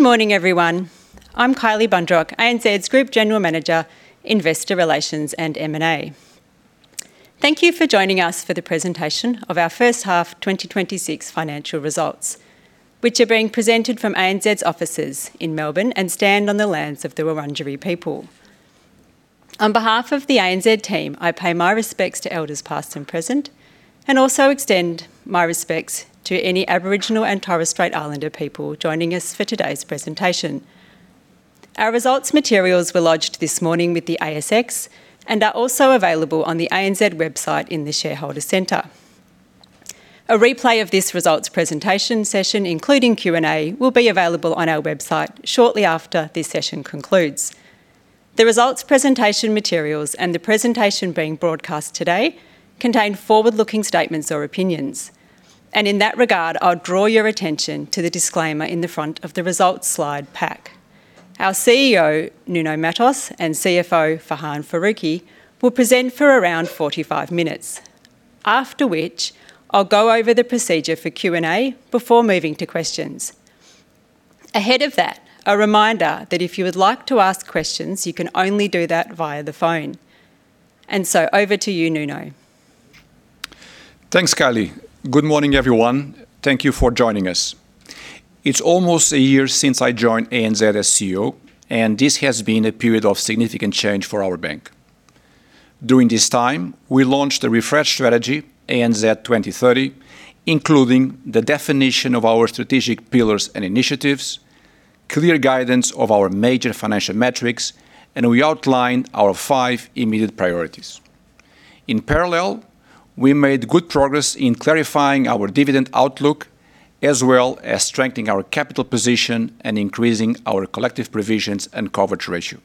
Good morning, everyone. I'm Kylie Bundrock, ANZ's Group General Manager, Investor Relations and M&A. Thank you for joining us for the presentation of our first half 2026 financial results, which are being presented from ANZ's offices in Melbourne and stand on the lands of the Wurundjeri people. On behalf of the ANZ team, I pay my respects to elders past and present, and also extend my respects to any Aboriginal and Torres Strait Islander people joining us for today's presentation. Our results materials were lodged this morning with the ASX and are also available on the ANZ website in the shareholder center. A replay of this results presentation session, including Q&A, will be available on our website shortly after this session concludes. The results presentation materials and the presentation being broadcast today contain forward-looking statements or opinions, and in that regard, I'll draw your attention to the disclaimer in the front of the results slide pack. Our CEO, Nuno Matos, and CFO, Farhan Faruqui, will present for around 45 minutes, after which I'll go over the procedure for Q&A before moving to questions. Ahead of that, a reminder that if you would like to ask questions, you can only do that via the phone. Over to you, Nuno. Thanks, Kylie. Good morning, everyone. Thank you for joining us. It's almost a year since I joined ANZ as CEO, and this has been a period of significant change for our bank. During this time, we launched a refreshed strategy, ANZ 2030, including the definition of our strategic pillars and initiatives, clear guidance of our major financial metrics, We outlined our five immediate priorities. In parallel, we made good progress in clarifying our dividend outlook, as well as strengthening our capital position and increasing our collective provisions and coverage ratio.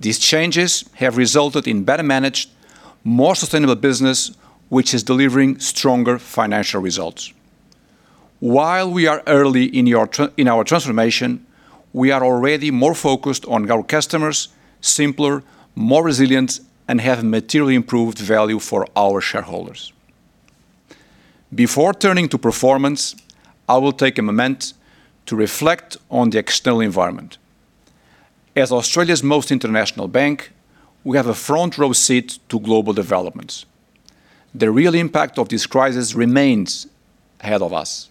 These changes have resulted in better managed, more sustainable business, which is delivering stronger financial results. While we are early in our transformation, we are already more focused on our customers, simpler, more resilient, and have materially improved value for our shareholders. Before turning to performance, I will take a moment to reflect on the external environment. As Australia's most international bank, we have a front row seat to global developments. The real impact of this crisis remains ahead of us,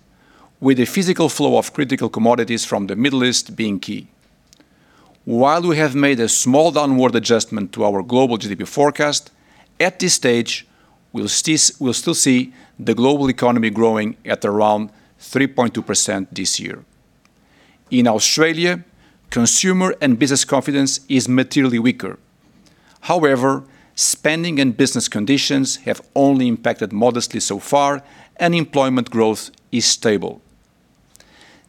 with the physical flow of critical commodities from the Middle East being key. While we have made a small downward adjustment to our global GDP forecast, at this stage, we'll still see the global economy growing at around 3.2% this year. In Australia, consumer and business confidence is materially weaker. However, spending and business conditions have only impacted modestly so far, and employment growth is stable.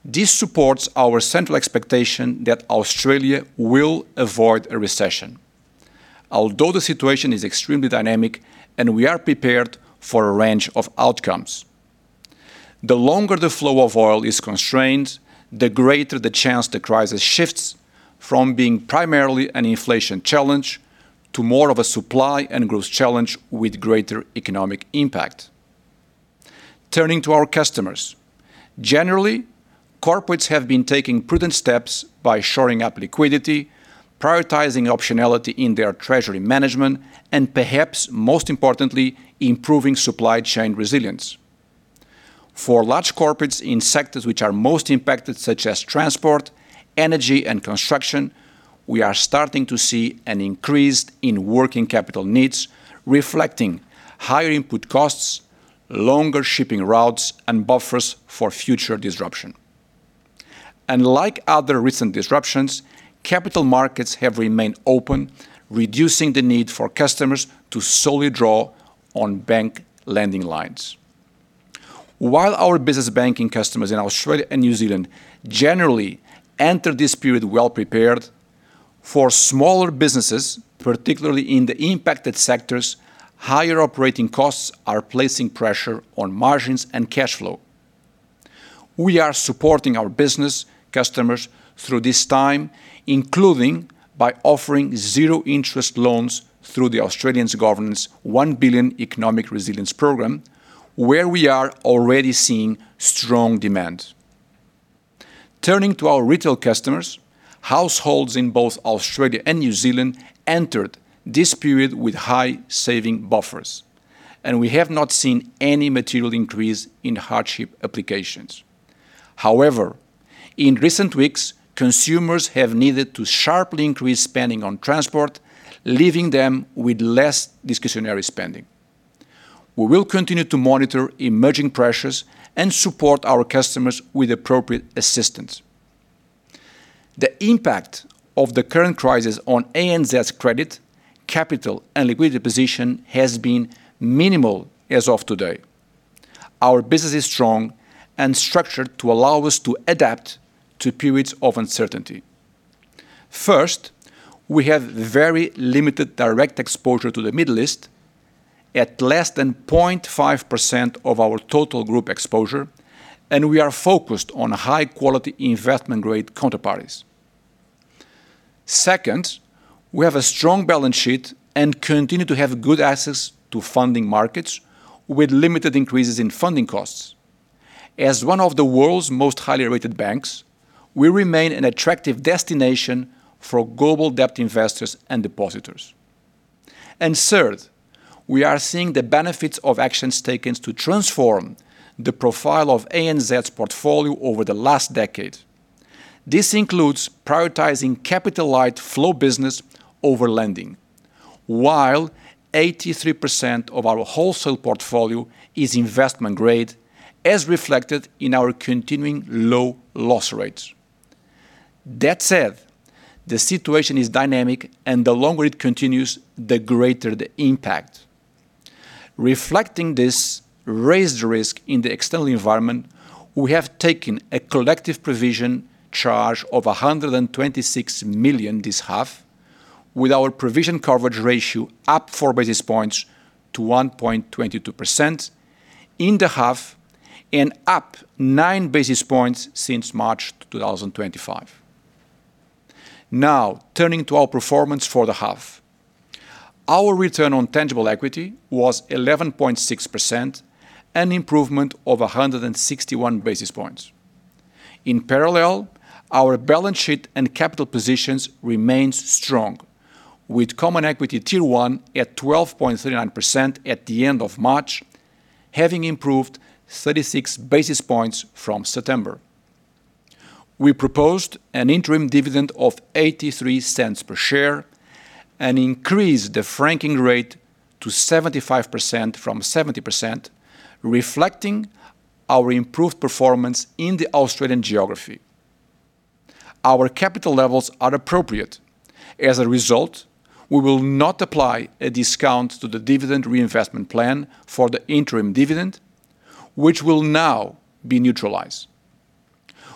This supports our central expectation that Australia will avoid a recession, although the situation is extremely dynamic, and we are prepared for a range of outcomes. The longer the flow of oil is constrained, the greater the chance the crisis shifts from being primarily an inflation challenge to more of a supply and growth challenge with greater economic impact. Turning to our customers. Generally, corporates have been taking prudent steps by shoring up liquidity, prioritizing optionality in their treasury management, and perhaps most importantly, improving supply chain resilience. For large corporates in sectors which are most impacted, such as transport, energy, and construction, we are starting to see an increase in working capital needs, reflecting higher input costs, longer shipping routes, and buffers for future disruption. Unlike other recent disruptions, capital markets have remained open, reducing the need for customers to solely draw on bank lending lines. While our business banking customers in Australia and New Zealand generally enter this period well prepared, for smaller businesses, particularly in the impacted sectors, higher operating costs are placing pressure on margins and cash flow. We are supporting our business customers through this time, including by offering zero interest loans through the Australian Government's 1 billion Economic Resilience Program, where we are already seeing strong demand. Turning to our retail customers, households in both Australia and New Zealand entered this period with high saving buffers, and we have not seen any material increase in hardship applications. In recent weeks, consumers have needed to sharply increase spending on transport, leaving them with less discretionary spending. We will continue to monitor emerging pressures and support our customers with appropriate assistance. The impact of the current crisis on ANZ's credit, capital, and liquidity position has been minimal as of today. Our business is strong and structured to allow us to adapt to periods of uncertainty. First, we have very limited direct exposure to the Middle East at less than 0.5% of our total group exposure, and we are focused on high-quality investment-grade counterparties. Second, we have a strong balance sheet and continue to have good access to funding markets with limited increases in funding costs. As one of the world's most highly rated banks, we remain an attractive destination for global debt investors and depositors. Third, we are seeing the benefits of actions taken to transform the profile of ANZ's portfolio over the last decade. This includes prioritizing capital-light flow business over lending, while 83% of our wholesale portfolio is investment grade, as reflected in our continuing low loss rates. That said, the situation is dynamic, and the longer it continues, the greater the impact. Reflecting this raised risk in the external environment, we have taken a collective provision charge of 126 million this half, with our provision coverage ratio up 4 basis points to 1.22% in the half and up 9 basis points since March 2025. Turning to our performance for the half. Our return on tangible equity was 11.6%, an improvement over 161 basis points. Our balance sheet and capital positions remains strong, with CET1 at 12.39% at the end of March, having improved 36 basis points from September. We proposed an interim dividend of 0.83 per share and increased the franking rate to 75% from 70%, reflecting our improved performance in the Australian geography. Our capital levels are appropriate. As a result, we will not apply a discount to the dividend reinvestment plan for the interim dividend, which will now be neutralized.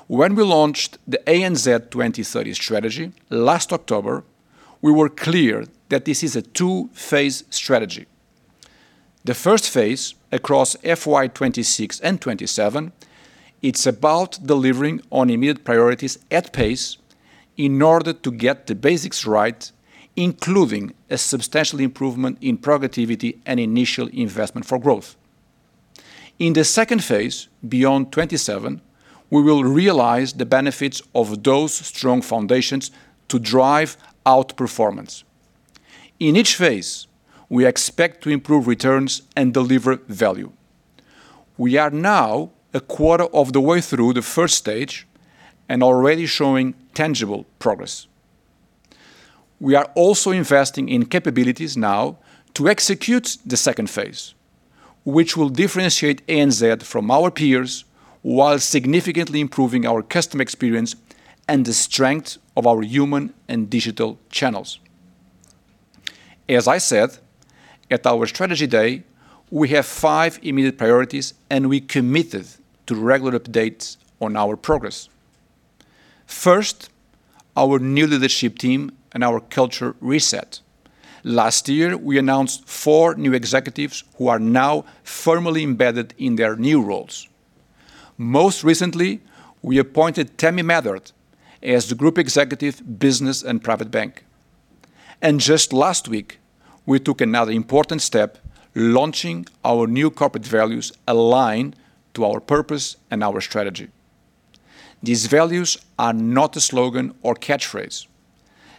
When we launched the ANZ 2030 strategy last October, we were clear that this is a two-phase strategy. The first phase across FY 2026 and 2027, it's about delivering on immediate priorities at pace in order to get the basics right, including a substantial improvement in productivity and initial investment for growth. In the second phase, beyond 2027, we will realize the benefits of those strong foundations to drive outperformance. In each phase, we expect to improve returns and deliver value. We are now a quarter of the way through the first stage and already showing tangible progress. We are also investing in capabilities now to execute the second phase, which will differentiate ANZ from our peers while significantly improving our customer experience and the strength of our human and digital channels. As I said, at our strategy day, we have five immediate priorities, and we committed to regular updates on our progress. First, our new leadership team and our culture reset. Last year, we announced four new executives who are now firmly embedded in their new roles. Most recently, we appointed Tammy Medard as the Group Executive, Business and Private Bank. Just last week, we took another important step, launching our new corporate values aligned to our purpose and our strategy. These values are not a slogan or catchphrase.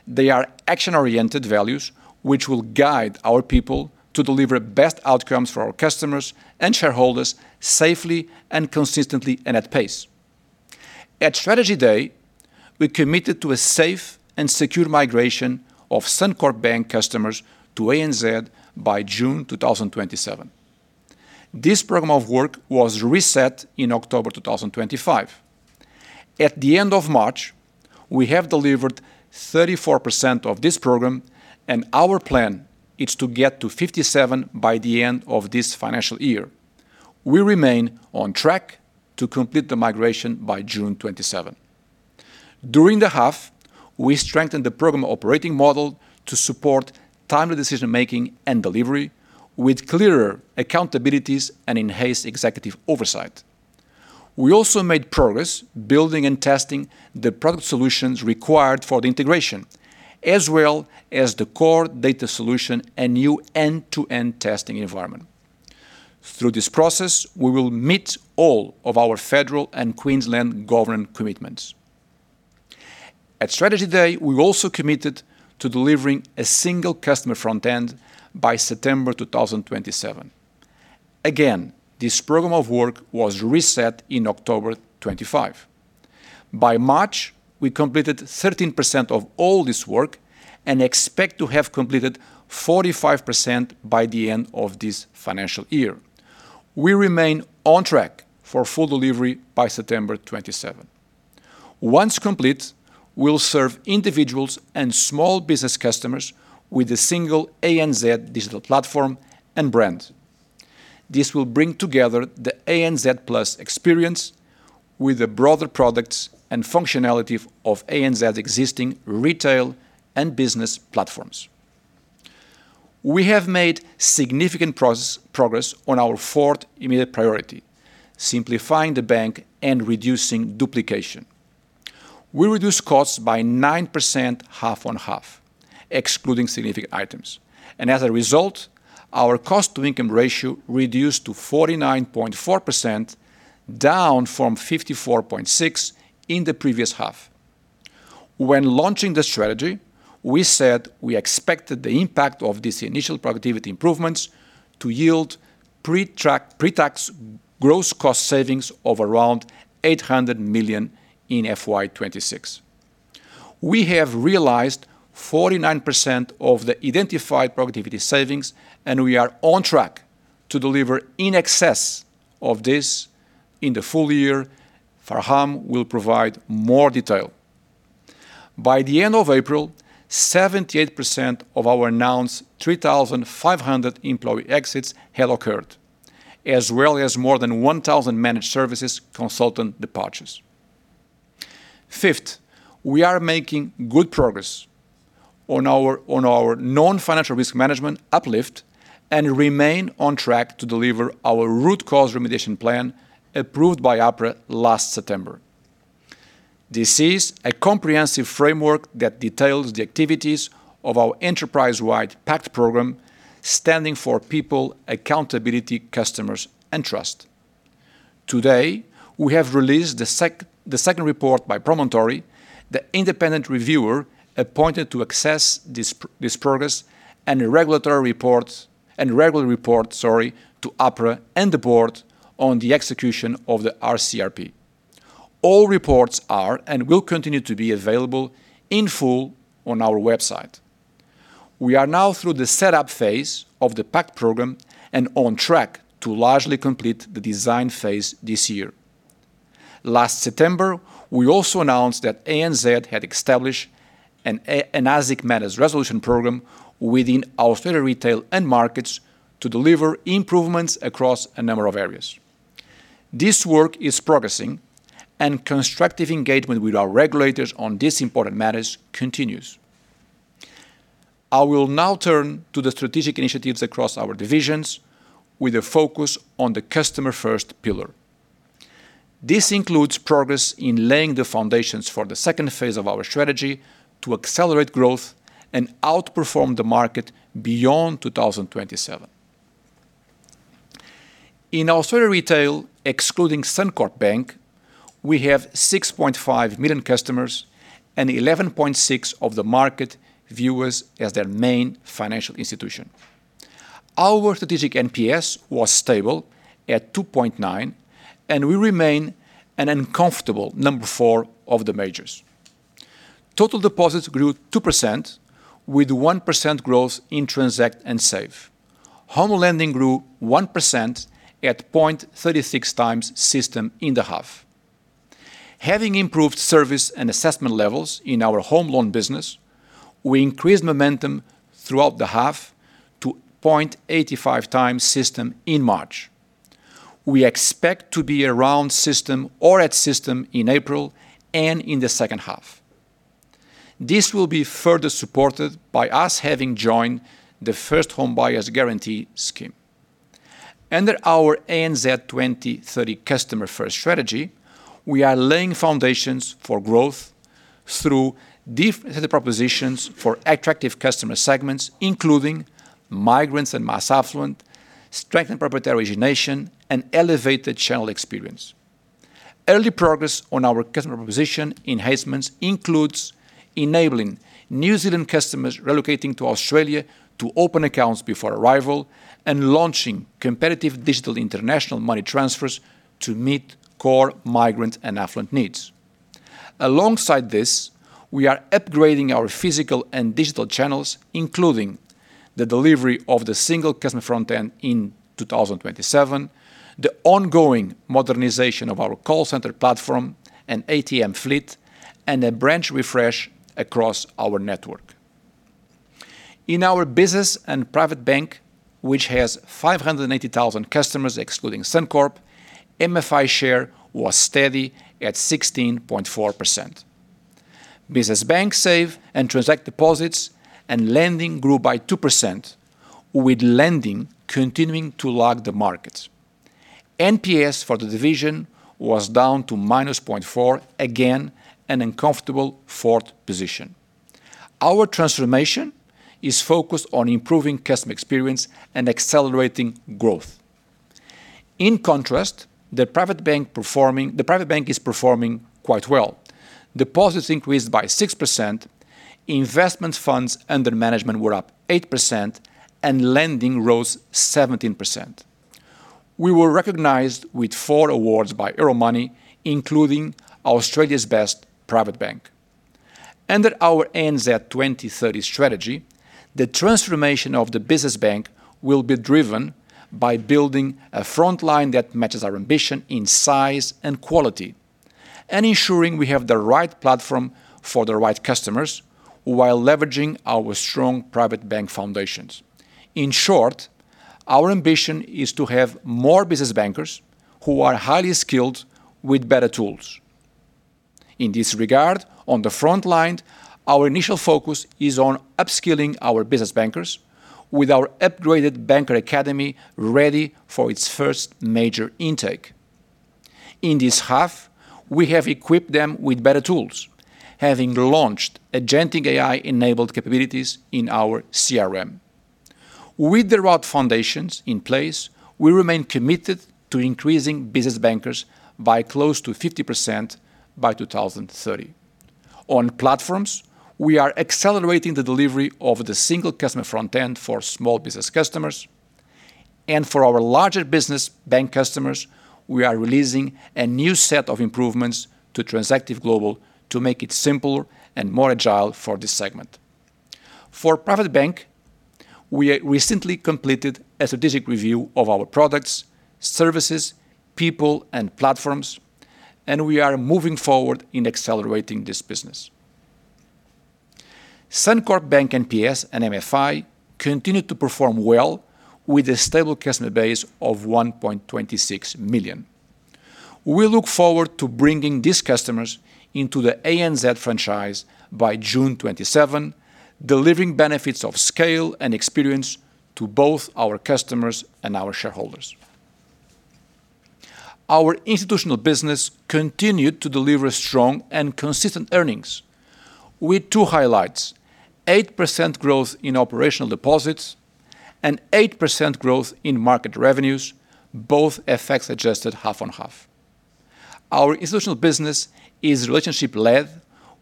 They are action-oriented values, which will guide our people to deliver best outcomes for our customers and shareholders safely and consistently and at pace. At Strategy Day, we committed to a safe and secure migration of Suncorp Bank customers to ANZ by June 2027. This program of work was reset in October 2025. At the end of March, we have delivered 34% of this program, and our plan is to get to 57% by the end of this financial year. We remain on track to complete the migration by June 2027. During the half, we strengthened the program operating model to support timely decision-making and delivery with clearer accountabilities and enhanced executive oversight. We also made progress building and testing the product solutions required for the integration, as well as the core data solution and new end-to-end testing environment. Through this process, we will meet all of our federal and Queensland government commitments. At Strategy Day, we also committed to delivering a single customer front end by September 2027. Again, this program of work was reset in October 2025. By March, we completed 13% of all this work and expect to have completed 45% by the end of this financial year. We remain on track for full delivery by September 2027. Once complete, we'll serve individuals and small business customers with a single ANZ digital platform and brand. This will bring together the ANZ Plus experience with the broader products and functionality of ANZ's existing retail and business platforms. We have made significant progress on our fourth immediate priority, simplifying the bank and reducing duplication. We reduced costs by 9% half-on-half, excluding significant items. As a result, our cost-to-income ratio reduced to 49.4%, down from 54.6% in the previous half. When launching the strategy, we said we expected the impact of these initial productivity improvements to yield pre-tax gross cost savings of around 800 million in FY 2026. We have realized 49% of the identified productivity savings, and we are on track to deliver in excess of this in the full year. Farhan will provide more detail. By the end of April, 78% of our announced 3,500 employee exits had occurred, as well as more than 1,000 managed services consultant departures. Fifth, we are making good progress on our known financial risk management uplift and remain on track to deliver our root cause remediation plan approved by APRA last September. This is a comprehensive framework that details the activities of our enterprise-wide PACT program, standing for People, Accountability, Customers, and Trust. Today, we have released the second report by Promontory, the independent reviewer appointed to assess this progress, and a regulatory report, and regular report, sorry, to APRA and the board on the execution of the RCRP. All reports are and will continue to be available in full on our website. We are now through the setup phase of the PACT program and on track to largely complete the design phase this year. Last September, we also announced that ANZ had established an ASIC matters resolution program within Australia Retail and Markets to deliver improvements across a number of areas. This work is progressing. Constructive engagement with our regulators on this important matters continues. I will now turn to the strategic initiatives across our divisions with a focus on the customer-first pillar. This includes progress in laying the foundations for the second phase of our strategy to accelerate growth and outperform the market beyond 2027. In Australia Retail, excluding Suncorp Bank, we have 6.5 million customers, and 11.6% of the market view us as their main financial institution. Our strategic NPS was stable at 2.9, and we remain an uncomfortable number four of the majors. Total deposits grew 2% with 1% growth in transact and save. Home lending grew 1% at 0.36 times system in the half. Having improved service and assessment levels in our home loan business, we increased momentum throughout the half to 0.85 times system in March. We expect to be around system or at system in April and in the second half. This will be further supported by us having joined the First Home Guarantee scheme. Under our ANZ 2030 customer-first strategy, we are laying foundations for growth through differentiated propositions for attractive customer segments, including migrants and mass affluent, strengthened property origination, and elevated channel experience. Early progress on our customer proposition enhancements includes enabling New Zealand customers relocating to Australia to open accounts before arrival and launching competitive digital international money transfers to meet core migrant and affluent needs. Alongside this, we are upgrading our physical and digital channels, including the delivery of the single customer front end in 2027, the ongoing modernization of our call center platform and ATM fleet, and a branch refresh across our network. In our Business and Private Bank, which has 580,000 customers excluding Suncorp, MFI share was steady at 16.4%. Business Bank save and transact deposits and lending grew by 2%, with lending continuing to lag the markets. NPS for the division was down to -0.4, again, an uncomfortable fourth position. Our transformation is focused on improving customer experience and accelerating growth. In contrast, the Private Bank is performing quite well. Deposits increased by 6%, investment funds under management were up 8%, and lending rose 17%. We were recognized with four awards by Euromoney, including Australia's Best Private Bank. Under our ANZ 2030 strategy, the transformation of the Business Bank will be driven by building a frontline that matches our ambition in size and quality and ensuring we have the right platform for the right customers while leveraging our strong Private Bank foundations. In short, our ambition is to have more business bankers who are highly skilled with better tools. In this regard, on the front line, our initial focus is on upskilling our business bankers with our upgraded Banker Academy ready for its first major intake. In this half, we have equipped them with better tools, having launched agentic AI-enabled capabilities in our CRM. With the right foundations in place, we remain committed to increasing business bankers by close to 50% by 2030. On platforms, we are accelerating the delivery of the single customer front end for small business customers. For our larger business bank customers, we are releasing a new set of improvements to Transactive Global to make it simpler and more agile for this segment. For private bank, we recently completed a strategic review of our products, services, people, and platforms, and we are moving forward in accelerating this business. Suncorp Bank NPS and MFI continue to perform well with a stable customer base of 1.26 million. We look forward to bringing these customers into the ANZ franchise by June 2027, delivering benefits of scale and experience to both our customers and our shareholders. Our institutional business continued to deliver strong and consistent earnings with two highlights, 8% growth in operational deposits and 8% growth in market revenues, both FX adjusted half-on-half. Our institutional business is relationship-led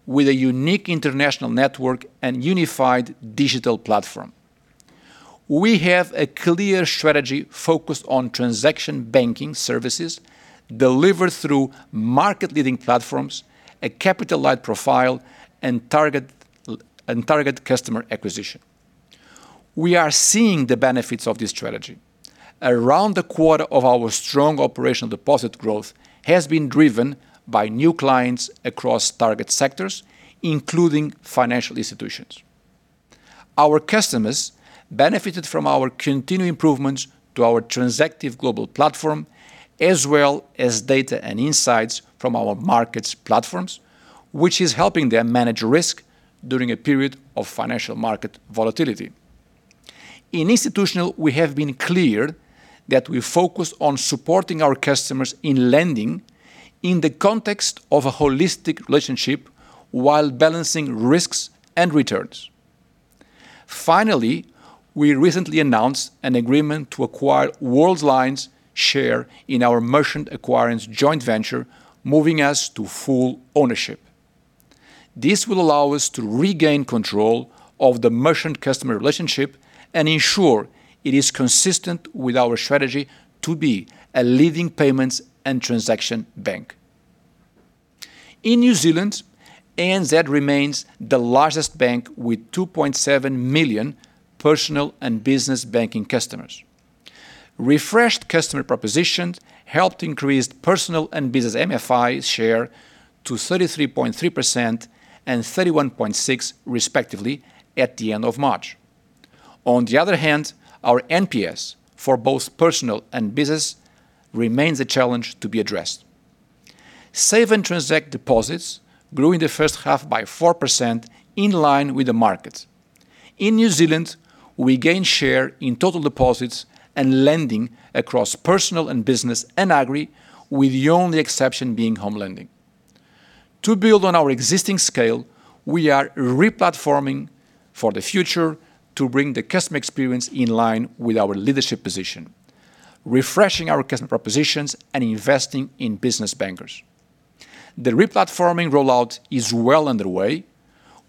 with a unique international network and unified digital platform. We have a clear strategy focused on transaction banking services delivered through market-leading platforms, a capital-light profile, and target customer acquisition. We are seeing the benefits of this strategy. Around a quarter of our strong operational deposit growth has been driven by new clients across target sectors, including financial institutions. Our customers benefited from our continued improvements to our Transactive Global platform as well as data and insights from our markets platforms, which is helping them manage risk during a period of financial market volatility. In institutional, we have been clear that we focus on supporting our customers in lending in the context of a holistic relationship while balancing risks and returns. Finally, we recently announced an agreement to acquire Worldline's share in our merchant acquiring joint venture, moving us to full ownership. This will allow us to regain control of the merchant customer relationship and ensure it is consistent with our strategy to be a leading payments and transaction bank. In New Zealand, ANZ remains the largest bank with 2.7 million personal and business banking customers. Refreshed customer propositions helped increase personal and business MFI share to 33.3% and 31.6% respectively at the end of March. On the other hand, our NPS for both personal and business remains a challenge to be addressed. Save and transact deposits grew in the first half by 4% in line with the market. In New Zealand, we gained share in total deposits and lending across personal and business and agri, with the only exception being home lending. To build on our existing scale, we are re-platforming for the future to bring the customer experience in line with our leadership position, refreshing our customer propositions and investing in business bankers. The re-platforming rollout is well underway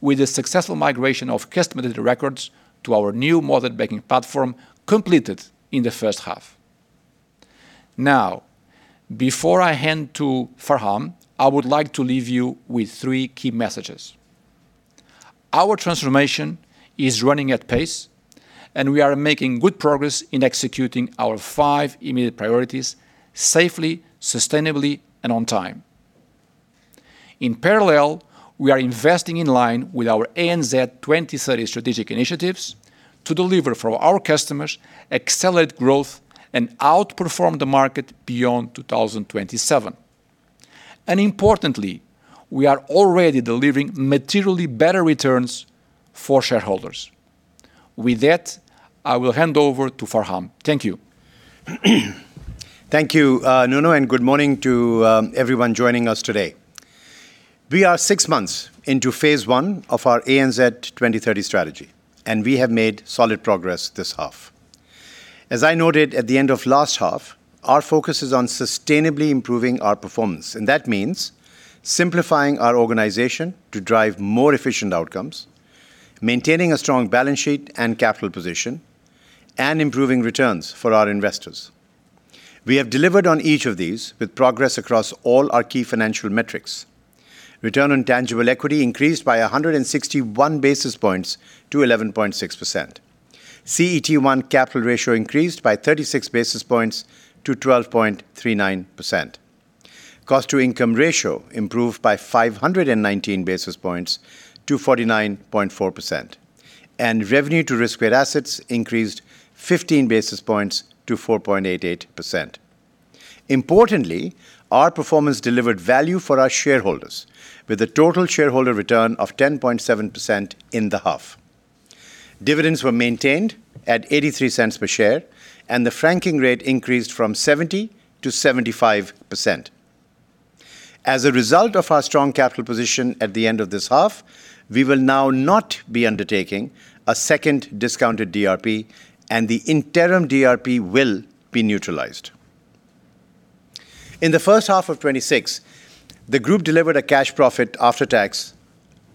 with the successful migration of customer data records to our new modern banking platform completed in the first half. Before I hand to Farhan, I would like to leave you with three key messages. Our transformation is running at pace, and we are making good progress in executing our five immediate priorities safely, sustainably, and on time. In parallel, we are investing in line with our ANZ 2030 strategic initiatives to deliver for our customers accelerated growth and outperform the market beyond 2027. Importantly, we are already delivering materially better returns for shareholders. With that, I will hand over to Farhan. Thank you. Thank you, Nuno, and good morning to everyone joining us today. We are six months into phase 1 of our ANZ 2030 strategy, and we have made solid progress this half. As I noted at the end of last half, our focus is on sustainably improving our performance, and that means simplifying our organization to drive more efficient outcomes, maintaining a strong balance sheet and capital position, and improving returns for our investors. We have delivered on each of these with progress across all our key financial metrics. Return on tangible equity increased by 161 basis points to 11.6%. CET1 capital ratio increased by 36 basis points to 12.39%. Cost to income ratio improved by 519 basis points to 49.4%. Revenue to risk-weighted assets increased 15 basis points to 4.88%. Importantly, our performance delivered value for our shareholders with a total shareholder return of 10.7% in the half. Dividends were maintained at 0.83 per share, and the franking rate increased from 70%-75%. As a result of our strong capital position at the end of this half, we will now not be undertaking a second discounted DRP, and the interim DRP will be neutralized. In the first half of 2026, the group delivered a cash profit after tax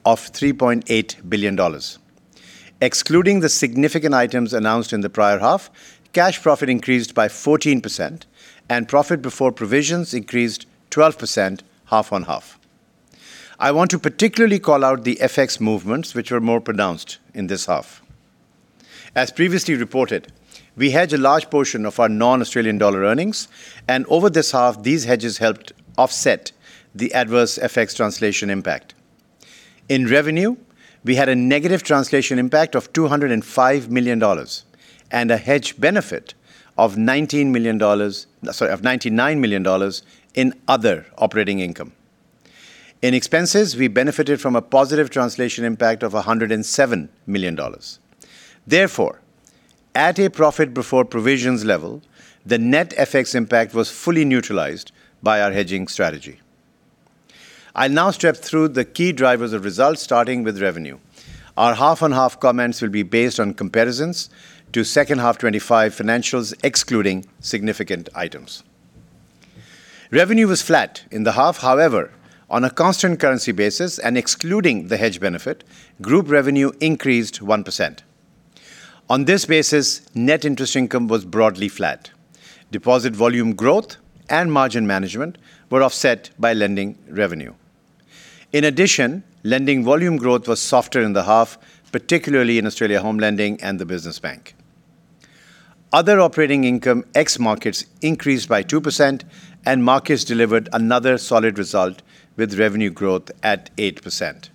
of 3.8 billion dollars. Excluding the significant items announced in the prior half, cash profit increased by 14%, and profit before provisions increased 12% half-on-half. I want to particularly call out the FX movements, which are more pronounced in this half. As previously reported, we hedge a large portion of our non-Australian dollar earnings, and over this half, these hedges helped offset the adverse FX translation impact. In revenue, we had a negative translation impact of 205 million dollars and a hedge benefit of 19 million dollars, sorry, of 99 million dollars in other operating income. In expenses, we benefited from a positive translation impact of 107 million dollars. At a profit before provisions level, the net FX impact was fully neutralized by our hedging strategy. I'll now step through the key drivers of results, starting with revenue. Our half-on-half comments will be based on comparisons to second half 2025 financials, excluding significant items. Revenue was flat in the half. On a constant currency basis and excluding the hedge benefit, group revenue increased 1%. On this basis, net interest income was broadly flat. Deposit volume growth and margin management were offset by lending revenue. Lending volume growth was softer in the half, particularly in Australia home lending and the business bank. Other operating income, ex markets, increased by 2%. Markets delivered another solid result with revenue growth at 8%.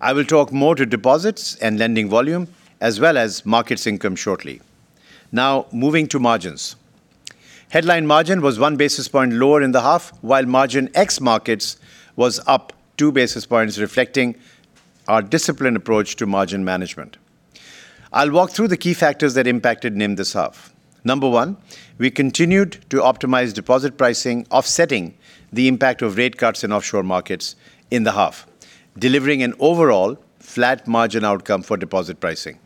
I will talk more to deposits and lending volume as well as markets income shortly. Moving to margins. Headline margin was one basis point lower in the half, while margin ex markets was up 2 basis points, reflecting our disciplined approach to margin management. I'll walk through the key factors that impacted NIM this half. Number one, we continued to optimize deposit pricing, offsetting the impact of rate cuts in offshore markets in the half, delivering an overall flat margin outcome for deposit pricing.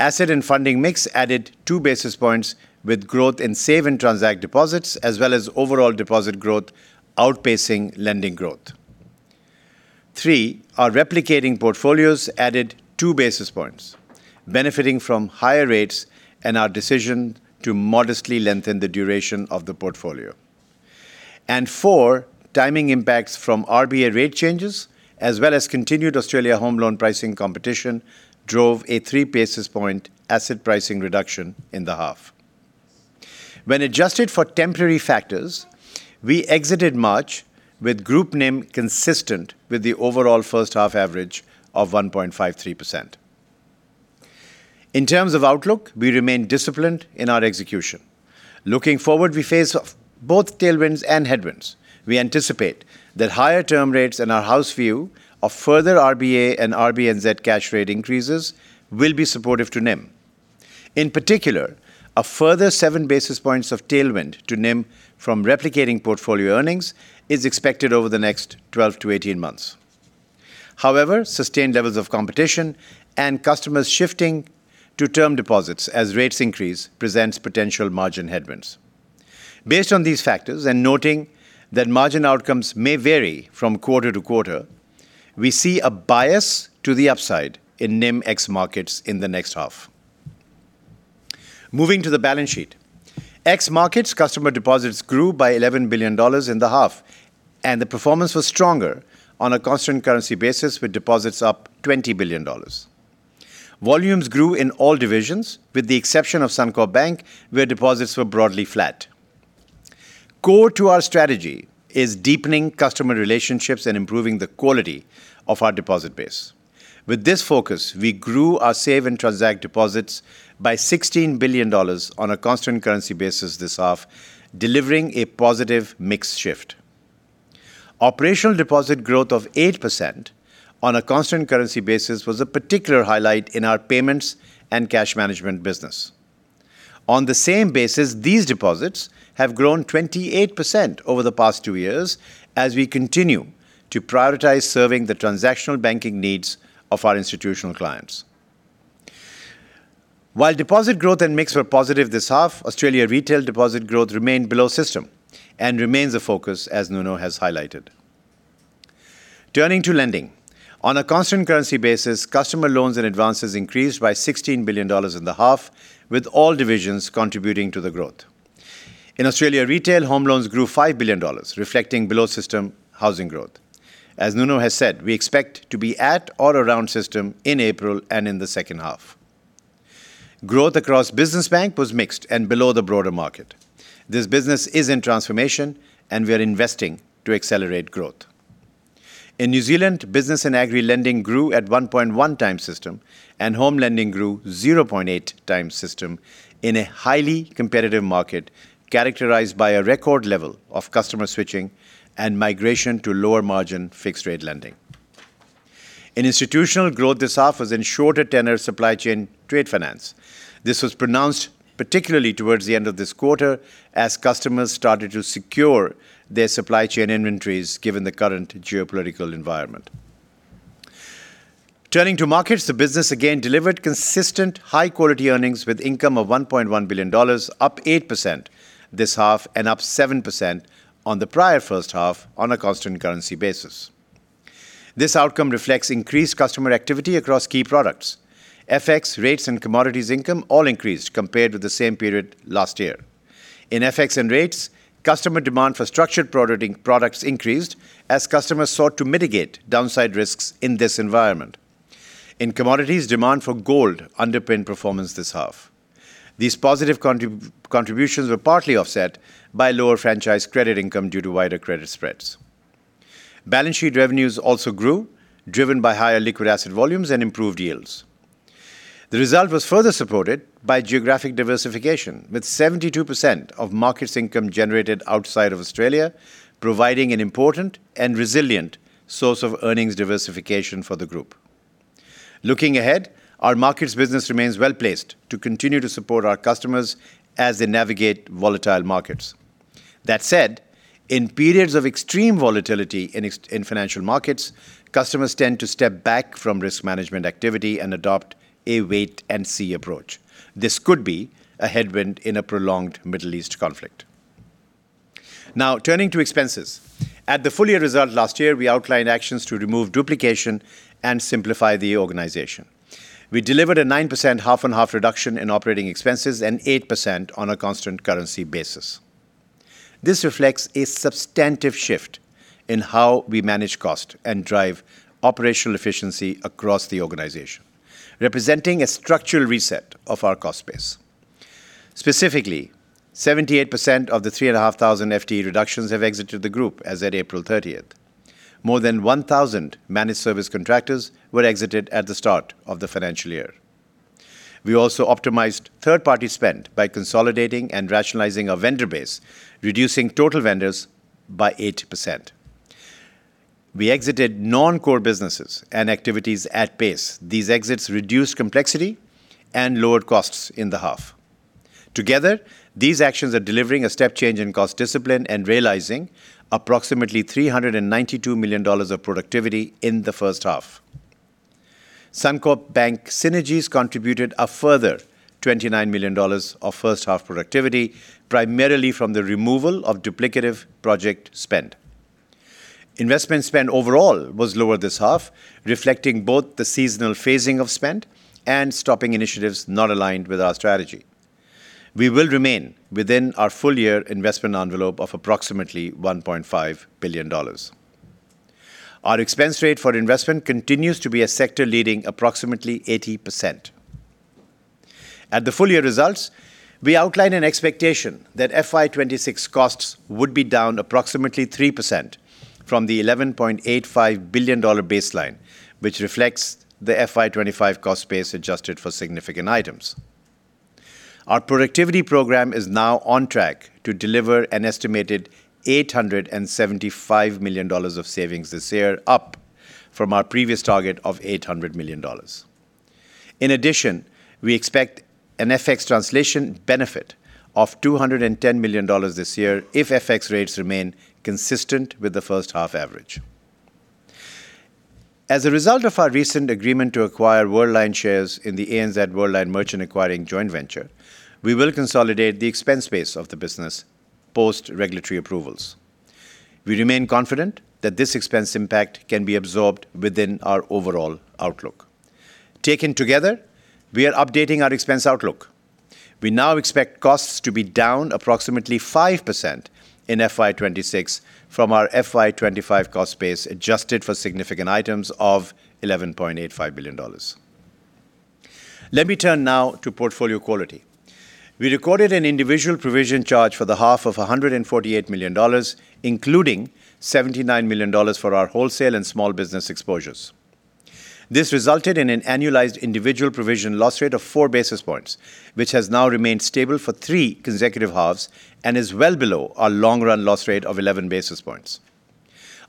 Asset and funding mix added 2 basis points with growth in save and transact deposits, as well as overall deposit growth outpacing lending growth. Three, our replicating portfolios added 2 basis points, benefiting from higher rates and our decision to modestly lengthen the duration of the portfolio. Four, timing impacts from RBA rate changes, as well as continued Australia home loan pricing competition, drove a 3 basis point asset pricing reduction in the half. When adjusted for temporary factors, we exited March with group NIM consistent with the overall first half average of 1.53%. In terms of outlook, we remain disciplined in our execution. Looking forward, we face both tailwinds and headwinds. We anticipate that higher term rates and our house view of further RBA and RBNZ cash rate increases will be supportive to NIM. In particular, a further 7 basis points of tailwind to NIM from replicating portfolio earnings is expected over the next 12-18 months. However, sustained levels of competition and customers shifting to term deposits as rates increase presents potential margin headwinds. Based on these factors, and noting that margin outcomes may vary from quarter to quarter, we see a bias to the upside in NIM ex markets in the next half. Moving to the balance sheet. Ex markets customer deposits grew by 11 billion dollars in the half, and the performance was stronger on a constant currency basis with deposits up 20 billion dollars. Volumes grew in all divisions, with the exception of Suncorp Bank, where deposits were broadly flat. Core to our strategy is deepening customer relationships and improving the quality of our deposit base. With this focus, we grew our save and transact deposits by 16 billion dollars on a constant currency basis this half, delivering a positive mix shift. Operational deposit growth of 8% on a constant currency basis was a particular highlight in our payments and cash management business. On the same basis, these deposits have grown 28% over the past two years as we continue to prioritize serving the transactional banking needs of our institutional clients. While deposit growth and mix were positive this half, Australia retail deposit growth remained below system and remains a focus, as Nuno has highlighted. Turning to lending. On a constant currency basis, customer loans and advances increased by 16 billion dollars in the half, with all divisions contributing to the growth. In Australia, retail home loans grew 5 billion dollars, reflecting below-system housing growth. As Nuno has said, we expect to be at or around system in April and in the second half. Growth across business bank was mixed and below the broader market. This business is in transformation and we are investing to accelerate growth. In New Zealand, business and agri-lending grew at 1.1 times system, and home lending grew 0.8 times system in a highly competitive market characterized by a record level of customer switching and migration to lower margin fixed rate lending. In Institutional growth, this half was in shorter tenor supply chain trade finance. This was pronounced particularly towards the end of this quarter as customers started to secure their supply chain inventories given the current geopolitical environment. Turning to markets, the business again delivered consistent high-quality earnings with income of 1.1 billion dollars, up 8% this half and up 7% on the prior 1st half on a constant currency basis. This outcome reflects increased customer activity across key products. FX rates and commodities income all increased compared with the same period last year. In FX and rates, customer demand for structured products increased as customers sought to mitigate downside risks in this environment. In commodities, demand for gold underpinned performance this half. These positive contributions were partly offset by lower franchise credit income due to wider credit spreads. Balance sheet revenues also grew, driven by higher liquid asset volumes and improved yields. The result was further supported by geographic diversification, with 72% of markets income generated outside of Australia, providing an important and resilient source of earnings diversification for the group. Looking ahead, our markets business remains well-placed to continue to support our customers as they navigate volatile markets. That said, in periods of extreme volatility in financial markets, customers tend to step back from risk management activity and adopt a wait and see approach. This could be a headwind in a prolonged Middle East conflict. Turning to expenses. At the full year result last year, we outlined actions to remove duplication and simplify the organization. We delivered a 9% half and half reduction in operating expenses and 8% on a constant currency basis. This reflects a substantive shift in how we manage cost and drive operational efficiency across the organization, representing a structural reset of our cost base. Specifically, 78% of the 3,500 FTE reductions have exited the group as at April 30th. More than 1,000 managed service contractors were exited at the start of the financial year. We also optimized third-party spend by consolidating and rationalizing our vendor base, reducing total vendors by 8%. We exited non-core businesses and activities at pace. These exits reduced complexity and lowered costs in the half. Together, these actions are delivering a step change in cost discipline and realizing approximately 392 million dollars of productivity in the first half. Suncorp Bank synergies contributed a further 29 million dollars of first half productivity, primarily from the removal of duplicative project spend. Investment spend overall was lower this half, reflecting both the seasonal phasing of spend and stopping initiatives not aligned with our strategy. We will remain within our full year investment envelope of approximately 1.5 billion dollars. Our expense rate for investment continues to be a sector leading approximately 80%. At the full year results, we outlined an expectation that FY 2026 costs would be down approximately 3% from the 11.85 billion dollar baseline, which reflects the FY 2025 cost base adjusted for significant items. Our productivity program is now on track to deliver an estimated 875 million dollars of savings this year, up from our previous target of 800 million dollars. In addition, we expect an FX translation benefit of 210 million dollars this year if FX rates remain consistent with the first half average. As a result of our recent agreement to acquire Worldline shares in the ANZ Worldline Merchant Acquiring Joint Venture, we will consolidate the expense base of the business post-regulatory approvals. We remain confident that this expense impact can be absorbed within our overall outlook. Taken together, we are updating our expense outlook. We now expect costs to be down approximately 5% in FY 2026 from our FY 2025 cost base, adjusted for significant items of 11.85 billion dollars. Let me turn now to portfolio quality. We recorded an individual provision charge for the half of 148 million dollars, including 79 million dollars for our wholesale and small business exposures. This resulted in an annualized individual provision loss rate of 4 basis points, which has now remained stable for three consecutive halves and is well below our long-run loss rate of 11 basis points.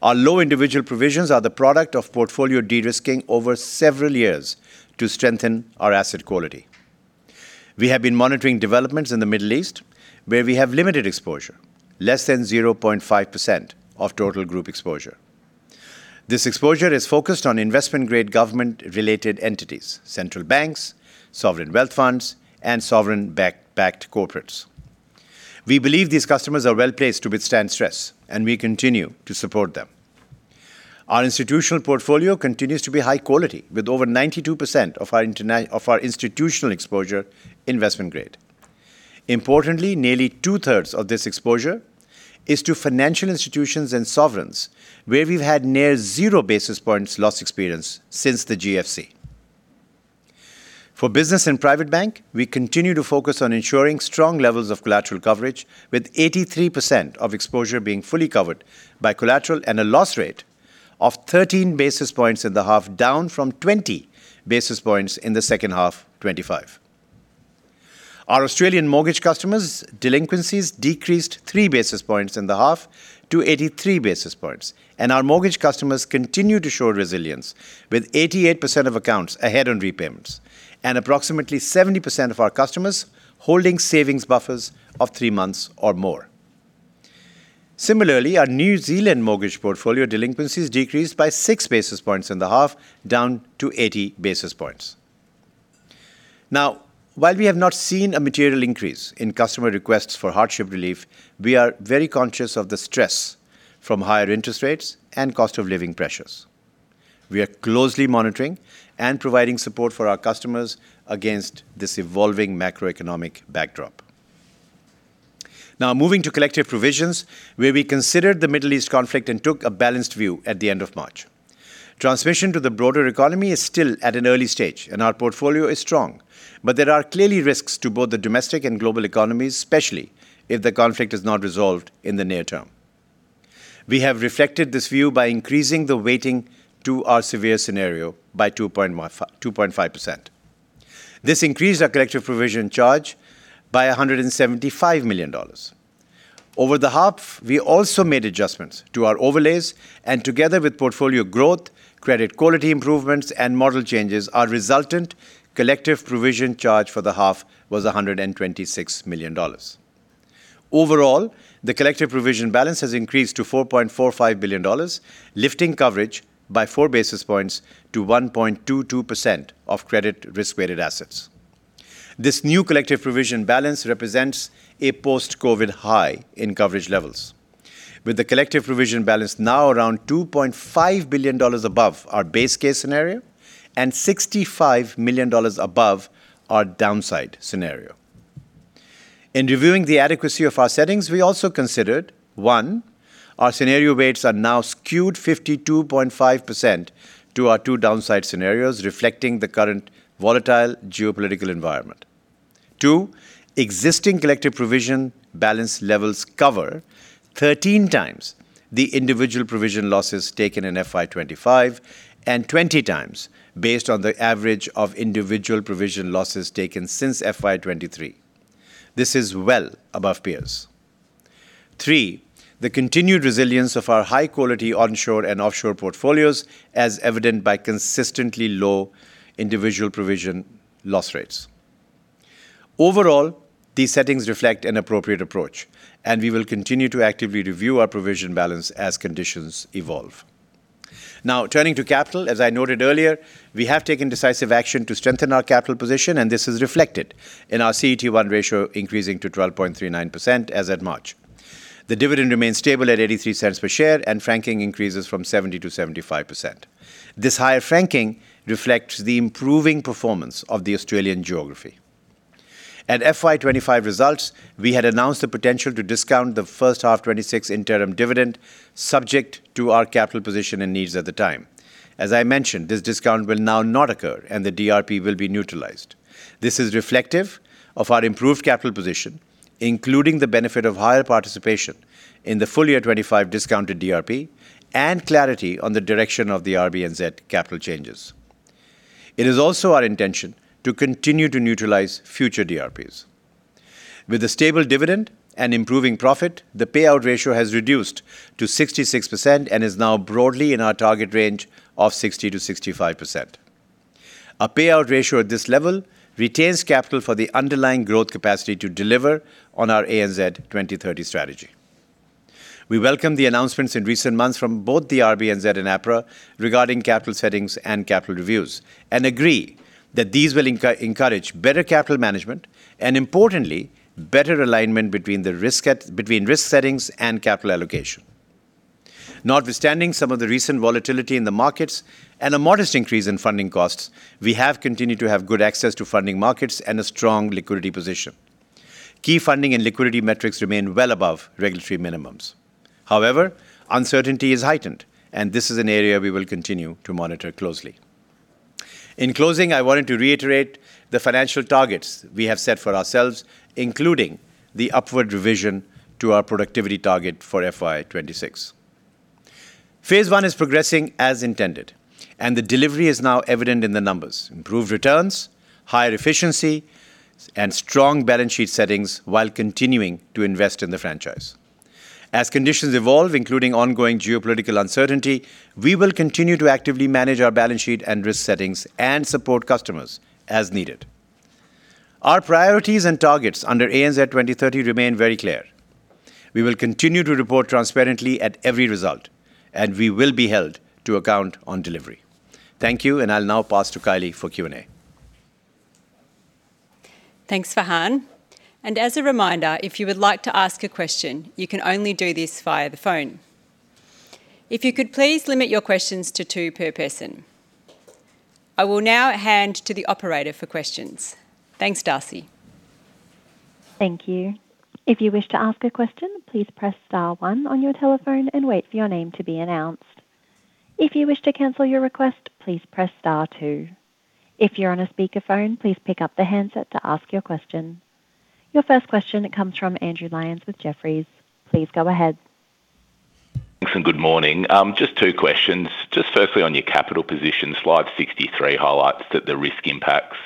Our low individual provisions are the product of portfolio de-risking over several years to strengthen our asset quality. We have been monitoring developments in the Middle East, where we have limited exposure, less than 0.5% of total group exposure. This exposure is focused on investment-grade government-related entities, central banks, sovereign wealth funds, and sovereign-backed corporates. We believe these customers are well-placed to withstand stress, and we continue to support them. Our institutional portfolio continues to be high quality, with over 92% of our institutional exposure investment grade. Importantly, nearly two-thirds of this exposure is to financial institutions and sovereigns, where we've had near 0 basis points loss experience since the GFC. For Business and Private Bank, we continue to focus on ensuring strong levels of collateral coverage, with 83% of exposure being fully covered by collateral and a loss rate of 13 basis points in the half, down from 20 basis points in the second half 2025. Our Australian mortgage customers' delinquencies decreased 3 basis points in the half to 83 basis points. Our mortgage customers continue to show resilience, with 88% of accounts ahead on repayments and approximately 70% of our customers holding savings buffers of three months or more. Similarly, our New Zealand mortgage portfolio delinquencies decreased by 6 basis points in the half, down to 80 basis points. Now, while we have not seen a material increase in customer requests for hardship relief, we are very conscious of the stress from higher interest rates and cost of living pressures. We are closely monitoring and providing support for our customers against this evolving macroeconomic backdrop. Moving to collective provisions, where we considered the Middle East conflict and took a balanced view at the end of March. Transmission to the broader economy is still at an early stage, our portfolio is strong. There are clearly risks to both the domestic and global economies, especially if the conflict is not resolved in the near term. We have reflected this view by increasing the weighting to our severe scenario by 2.5%. This increased our collective provision charge by 175 million dollars. Over the half, we also made adjustments to our overlays, and together with portfolio growth, credit quality improvements, and model changes, our resultant collective provision charge for the half was 126 million dollars. Overall, the collective provision balance has increased to 4.45 billion dollars, lifting coverage by 4 basis points to 1.22% of credit risk-weighted assets. This new collective provision balance represents a post-COVID high in coverage levels, with the collective provision balance now around 2.5 billion dollars above our base case scenario and 65 million dollars above our downside scenario. In reviewing the adequacy of our settings, we also considered, one, our scenario weights are now skewed 52.5% to our two downside scenarios, reflecting the current volatile geopolitical environment. Two, existing collective provision balance levels cover 13 times the individual provision losses taken in FY 2025 and 20 times based on the average of individual provision losses taken since FY 2023. This is well above peers. Three, the continued resilience of our high-quality onshore and offshore portfolios, as evident by consistently low individual provision loss rates. Overall, these settings reflect an appropriate approach, and we will continue to actively review our provision balance as conditions evolve. Turning to capital, as I noted earlier, we have taken decisive action to strengthen our capital position, and this is reflected in our CET1 ratio increasing to 12.39% as at March. The dividend remains stable at 0.83 per share, and franking increases from 70%-75%. This higher franking reflects the improving performance of the Australian geography. At FY 2025 results, we had announced the potential to discount the first half 2026 interim dividend, subject to our capital position and needs at the time. As I mentioned, this discount will now not occur, and the DRP will be neutralized. This is reflective of our improved capital position, including the benefit of higher participation in the full year 2025 discounted DRP and clarity on the direction of the RBNZ capital changes. It is also our intention to continue to neutralize future DRPs. With a stable dividend and improving profit, the payout ratio has reduced to 66% and is now broadly in our target range of 60%-65%. A payout ratio at this level retains capital for the underlying growth capacity to deliver on our ANZ 2030 strategy. We welcome the announcements in recent months from both the RBNZ and APRA regarding capital settings and capital reviews and agree that these will encourage better capital management and, importantly, better alignment between risk settings and capital allocation. Notwithstanding some of the recent volatility in the markets and a modest increase in funding costs, we have continued to have good access to funding markets and a strong liquidity position. Key funding and liquidity metrics remain well above regulatory minimums. Uncertainty is heightened, and this is an area we will continue to monitor closely. In closing, I wanted to reiterate the financial targets we have set for ourselves, including the upward revision to our productivity target for FY 2026. Phase 1 is progressing as intended, and the delivery is now evident in the numbers: improved returns, higher efficiency, and strong balance sheet settings while continuing to invest in the franchise. As conditions evolve, including ongoing geopolitical uncertainty, we will continue to actively manage our balance sheet and risk settings and support customers as needed. Our priorities and targets under ANZ 2030 remain very clear. We will continue to report transparently at every result, and we will be held to account on delivery. Thank you, and I'll now pass to Kylie for Q&A. Thanks, Farhan. As a reminder, if you would like to ask a question, you can only do this via the phone. If you could please limit your questions to two per person. I will now hand to the operator for questions. Thanks, Darcy. Your first question comes from Andrew Lyons with Jefferies. Please go ahead. Thanks. Good morning. Just two questions. Just firstly, on your capital position, slide 63 highlights that the risk impacts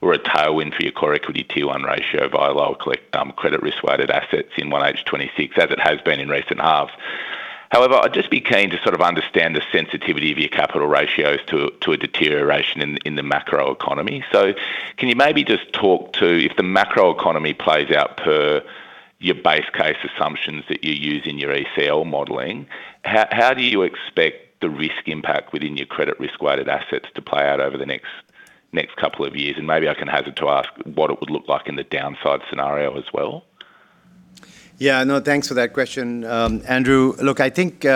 were a tailwind for your core equity tier 1 ratio via lower credit risk-weighted assets in 1H 2026, as it has been in recent halves. However, I'd just be keen to sort of understand the sensitivity of your capital ratios to a deterioration in the macro economy. Can you maybe just talk to if the macro economy plays out per your base case assumptions that you use in your ACL modeling, how do you expect the risk impact within your credit risk-weighted assets to play out over the next couple of years? Maybe I can hazard to ask what it would look like in the downside scenario as well. No, thanks for that question, Andrew. I think, We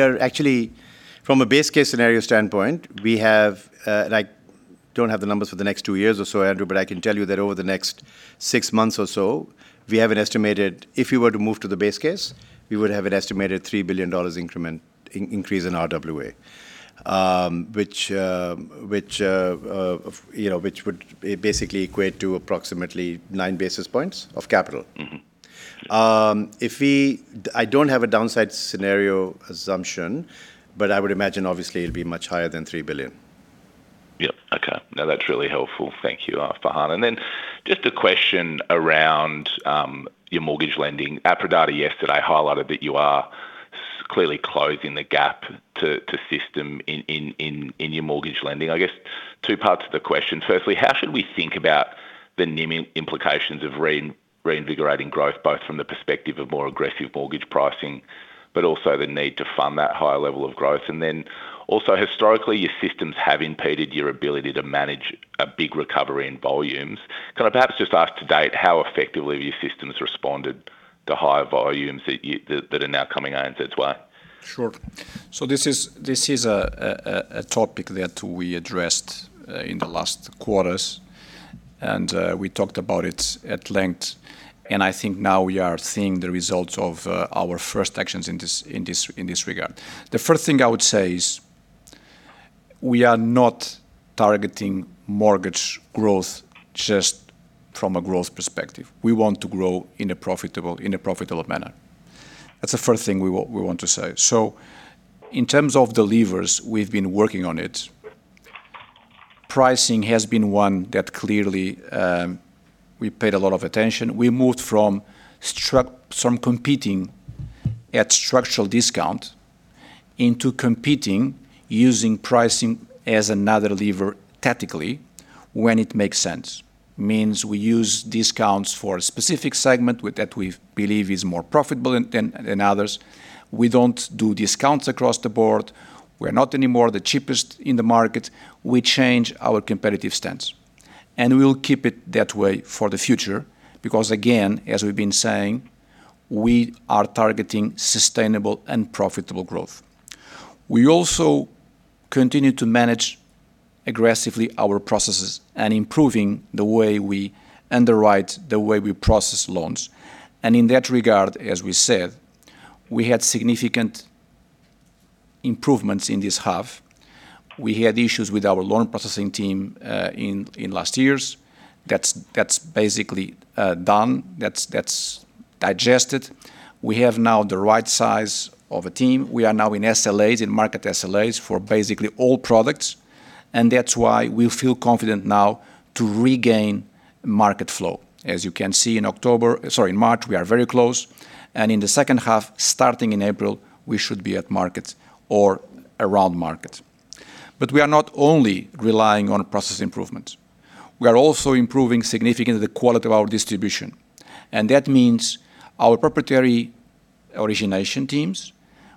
are actually from a base case scenario standpoint, we have, and I don't have the numbers for the next two years or so, Andrew, but I can tell you that over the next six months or so, we have an estimated, if we were to move to the base case, we would have an estimated 3 billion dollars increment, increase in RWA. Which, you know, which would, it basically equate to approximately nine basis points of capital. Mm-hmm. I don't have a downside scenario assumption, but I would imagine obviously it'll be much higher than 3 billion. Yep. Okay. No, that's really helpful. Thank you, Farhan. Just a question around your mortgage lending. APRA data yesterday highlighted that you are clearly closing the gap to system in your mortgage lending. I guess two parts to the question. Firstly, how should we think about the NIM implications of reinvigorating growth, both from the perspective of more aggressive mortgage pricing, but also the need to fund that higher level of growth? Also historically, your systems have impeded your ability to manage a big recovery in volumes. Can I perhaps just ask to date how effectively your systems responded to higher volumes that are now coming ANZ's way? Sure. This is a topic that we addressed in the last quarters, and we talked about it at length, and I think now we are seeing the results of our first actions in this regard. The first thing I would say is we are not targeting mortgage growth just from a growth perspective. We want to grow in a profitable manner. That's the first thing we want to say. In terms of the levers, we've been working on it. Pricing has been one that clearly, we paid a lot of attention. We moved from competing at structural discount into competing using pricing as another lever tactically when it makes sense. Means we use discounts for a specific segment that we believe is more profitable than others. We don't do discounts across the board. We're not anymore the cheapest in the market. We change our competitive stance, and we'll keep it that way for the future because, again, as we've been saying, we are targeting sustainable and profitable growth. We also continue to manage aggressively our processes and improving the way we underwrite, the way we process loans. In that regard, as we said, we had significant improvements in this half. We had issues with our loan processing team in last years. That's basically done. That's digested. We have now the right size of a team. We are now in SLAs, in market SLAs for basically all products, and that's why we feel confident now to regain market flow. As you can see, in October, sorry, in March, we are very close, and in the second half, starting in April, we should be at market or around market. We are not only relying on process improvements. We are also improving significantly the quality of our distribution, and that means our proprietary origination teams,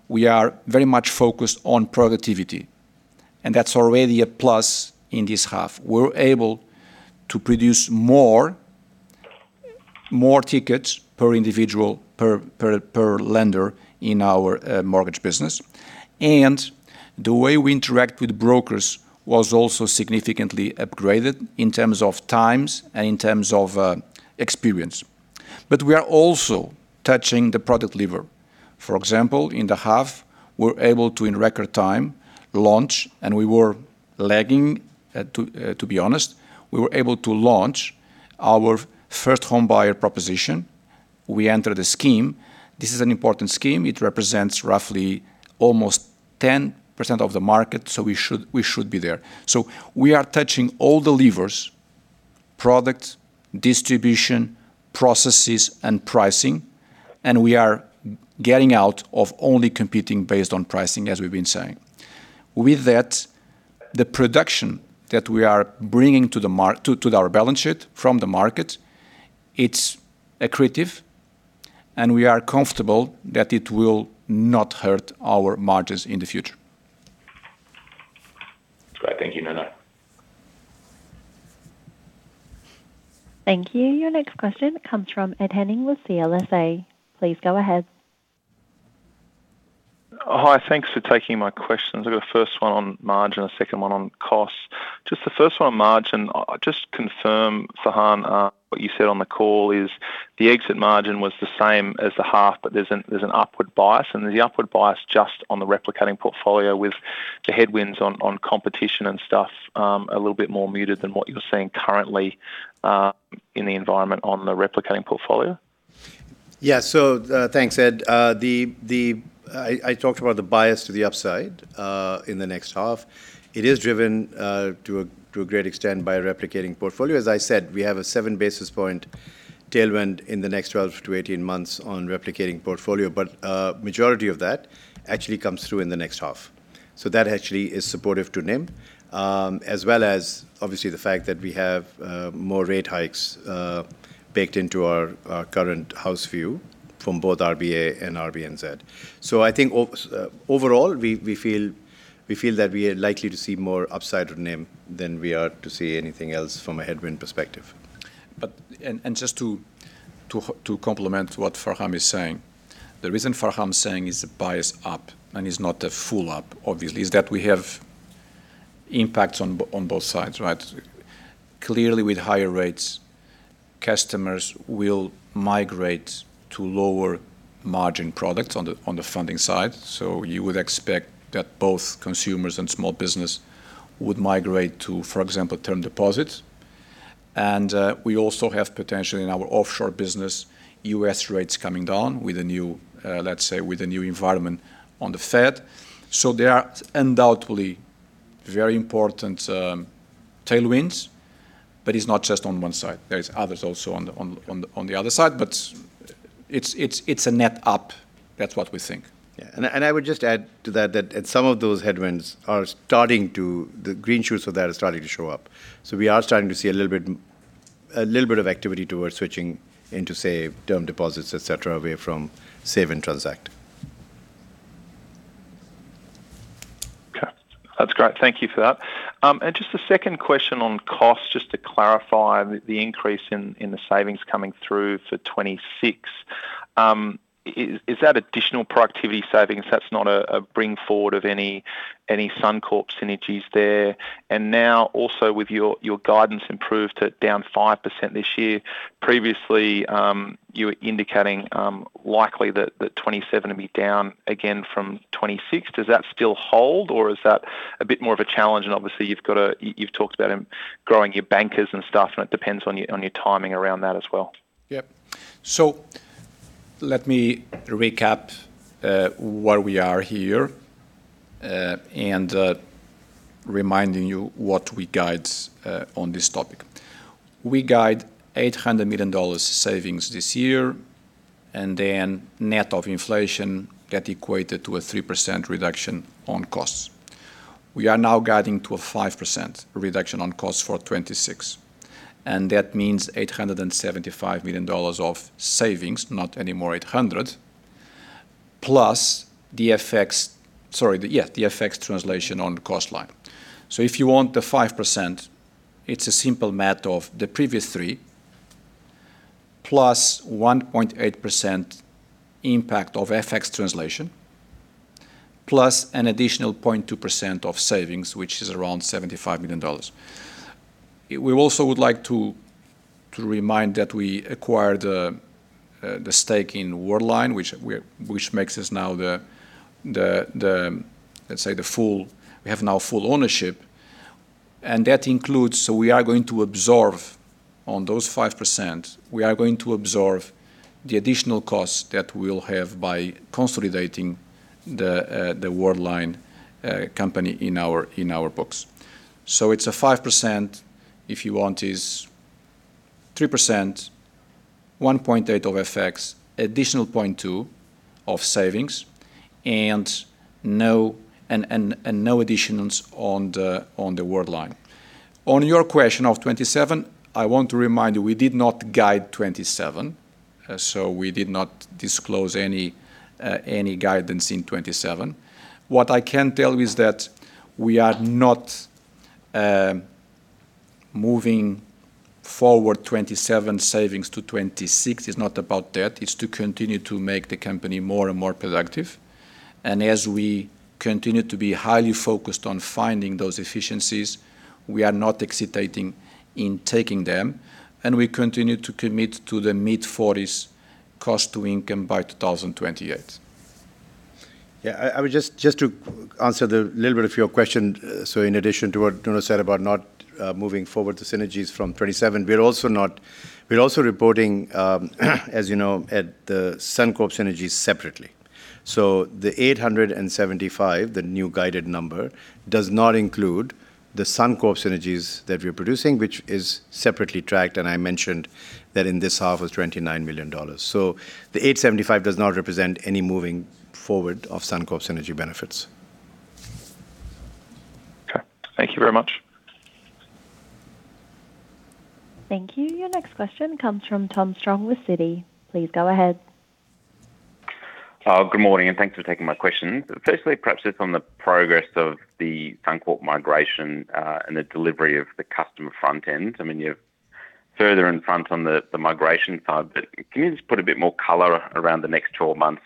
we are very much focused on productivity, and that's already a plus in this half. We're able to produce more, more tickets per individual, per lender in our mortgage business. The way we interact with brokers was also significantly upgraded in terms of times and in terms of experience. We are also touching the product lever. For example, in the half, we're able to, in record time, launch, and we were lagging, to be honest. We were able to launch our first home buyer proposition. We entered a scheme. This is an important scheme. It represents roughly almost 10% of the market. We should be there. We are touching all the levers: product, distribution, processes, and pricing, and we are getting out of only competing based on pricing, as we've been saying. With that, the production that we are bringing to our balance sheet from the market, it's accretive, and we are comfortable that it will not hurt our margins in the future. That's great. Thank you. No, no. Thank you. Your next question comes from Ed Henning with CLSA. Please go ahead. Hi. Thanks for taking my questions. I've got a first one on margin, a second one on costs. Just the first one on margin, just confirm, Farhan, what you said on the call is the exit margin was the same as the half, but there's an upward bias. Is the upward bias just on the replicating portfolio with the headwinds on competition and stuff, a little bit more muted than what you're seeing currently in the environment on the replicating portfolio? Yeah. Thanks, Ed. I talked about the bias to the upside in the next half. It is driven to a great extent by replicating portfolio. As I said, we have a 7 basis point tailwind in the next 12-18 months on replicating portfolio. Majority of that actually comes through in the next half. That actually is supportive to NIM, as well as obviously the fact that we have more rate hikes baked into our current house view from both RBA and RBNZ. I think overall, we feel that we are likely to see more upside with NIM than we are to see anything else from a headwind perspective. Just to complement what Farhan is saying, the reason Farhan's saying it's a bias up and it's not a full up obviously, is that we have impacts on both sides, right? Clearly, with higher rates, customers will migrate to lower margin products on the funding side. You would expect that both consumers and small business would migrate to, for example, term deposits. We also have potentially in our offshore business, U.S. rates coming down with a new, let's say, with a new environment on the Fed. There are undoubtedly very important tailwinds, but it's not just on one side. There is others also on the other side. It's a net up. That's what we think. Yeah. I would just add to that, and some of those headwinds are starting to the green shoots of that are starting to show up. We are starting to see a little bit of activity towards switching into, say, term deposits, et cetera, away from save and transact. Okay. That's great. Thank you for that. Just a second question on costs. Just to clarify the increase in the savings coming through for 2026, is that additional productivity savings that's not a bring forward of any Suncorp synergies there? Now also with your guidance improved to down 5% this year, previously, you were indicating, likely that 2027 will be down again from 2026. Does that still hold, or is that a bit more of a challenge? Obviously you've talked about growing your bankers and stuff, and it depends on your timing around that as well. Yep. Let me recap where we are here and reminding you what we guide on this topic. We guide 800 million dollars savings this year, and net of inflation, that equated to a 3% reduction on costs. We are now guiding to a 5% reduction on costs for 2026, that means 875 million dollars of savings, not anymore 800, plus the FX. The FX translation on the cost line. If you want the 5%, it's a simple math of the previous 3% plus 1.8% impact of FX translation, plus an additional 0.2% of savings, which is around 75 million dollars. We also would like to remind that we acquired the stake in Worldline, which makes us now the full ownership, and that includes. We are going to absorb, on those 5%, we are going to absorb the additional cost that we'll have by consolidating the Worldline company in our books. It's a 5%, if you want, is 3%, 1.8% of FX, additional 0.2% of savings, and no additions on the Worldline. On your question of 2027, I want to remind you, we did not guide 2027. We did not disclose any guidance in 2027. What I can tell you is that we are not moving forward 2027 savings to 2026. It's not about that. It's to continue to make the company more and more productive. As we continue to be highly focused on finding those efficiencies, we are not hesitating in taking them, and we continue to commit to the mid-forties cost to income by 2028. Yeah. I was just to answer the little bit of your question. In addition to what Nuno said about not moving forward the synergies from 2027, we are also reporting, as you know, at the Suncorp synergies separately. The 875 million, the new guided number, does not include the Suncorp synergies that we are producing, which is separately tracked. I mentioned that in this half was 29 million dollars. The 875 million does not represent any moving forward of Suncorp synergy benefits. Okay. Thank you very much. Thank you. Your next question comes from Tom Strong with Citi. Please go ahead. Good morning, and thanks for taking my questions. Firstly, perhaps just on the progress of the Suncorp migration, and the delivery of the customer front end. I mean, you're further in front on the migration side, but can you just put a bit more color around the next 12 months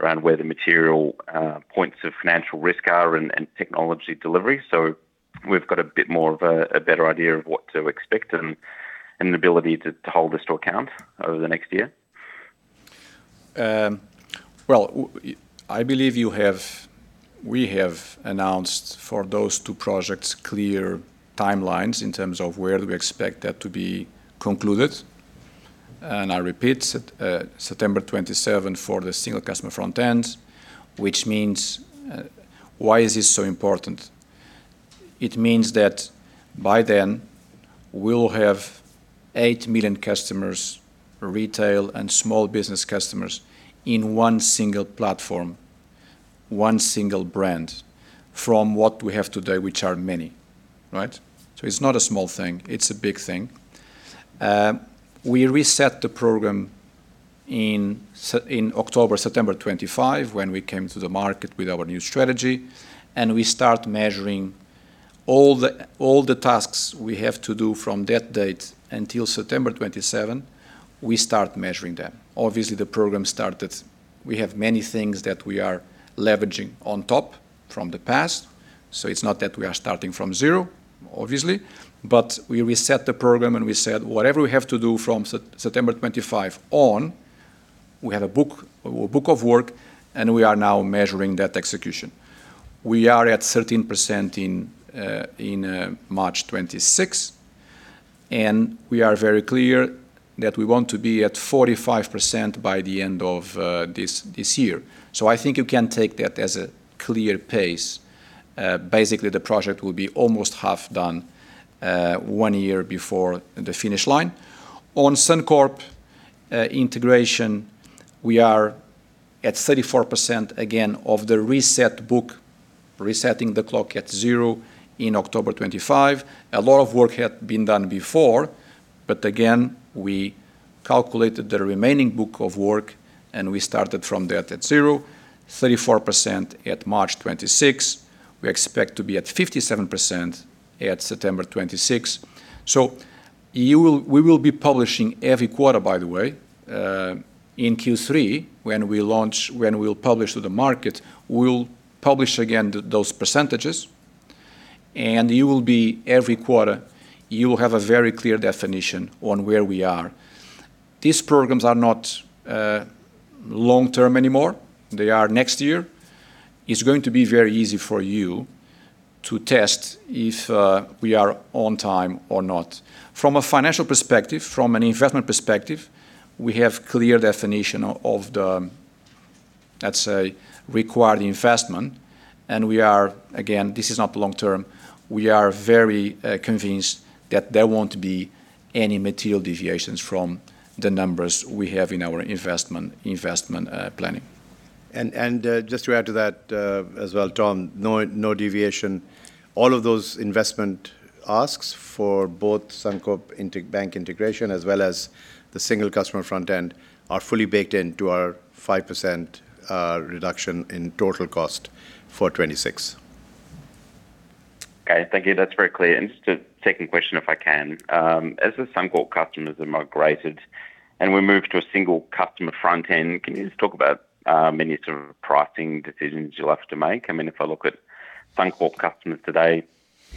around where the material points of financial risk are and technology delivery, so we've got a bit more of a better idea of what to expect and the ability to hold us to account over the next year? We have announced for those two projects clear timelines in terms of where we expect that to be concluded. I repeat, September 2027 for the single customer front end, which means, why is this so important? It means that by then we'll have 8 million customers, retail and small business customers, in one single platform, one single brand, from what we have today, which are many, right? It's not a small thing, it's a big thing. We reset the program in September 2025 when we came to the market with our new strategy, we start measuring all the tasks we have to do from that date until September 2027, we start measuring them. We have many things that we are leveraging on top from the past, so it's not that we are starting from zero, obviously. We reset the program and we said, whatever we have to do from September 2025 on, we have a book of work and we are now measuring that execution. We are at 13% in March 2026, and we are very clear that we want to be at 45% by the end of this year. I think you can take that as a clear pace. Basically the project will be almost half done, one year before the finish line. On Suncorp integration, we are at 34%, again, of the reset book, resetting the clock at zero in October 2025. A lot of work had been done before. Again, we calculated the remaining book of work and we started from that at zero. 34% at March 2026. We expect to be at 57% at September 2026. We will be publishing every quarter by the way, in Q3 when we launch, when we'll publish to the market, we'll publish again those percentages and you will be every quarter, you will have a very clear definition on where we are. These programs are not long-term anymore. They are next year. It's going to be very easy for you to test if we are on time or not. From a financial perspective, from an investment perspective, we have clear definition of the, let's say, required investment and we are, again, this is not long-term, we are very convinced that there won't be any material deviations from the numbers we have in our investment planning. Just to add to that as well, Tom, no deviation. All of those investment asks for both Suncorp Bank integration as well as the single customer front end are fully baked into our 5% reduction in total cost for 2026. Okay, thank you. That's very clear. Just a second question, if I can. As the Suncorp Bank customers are migrated and we move to a single customer front end, can you just talk about any sort of pricing decisions you'll have to make? I mean, if I look at Suncorp Bank customers today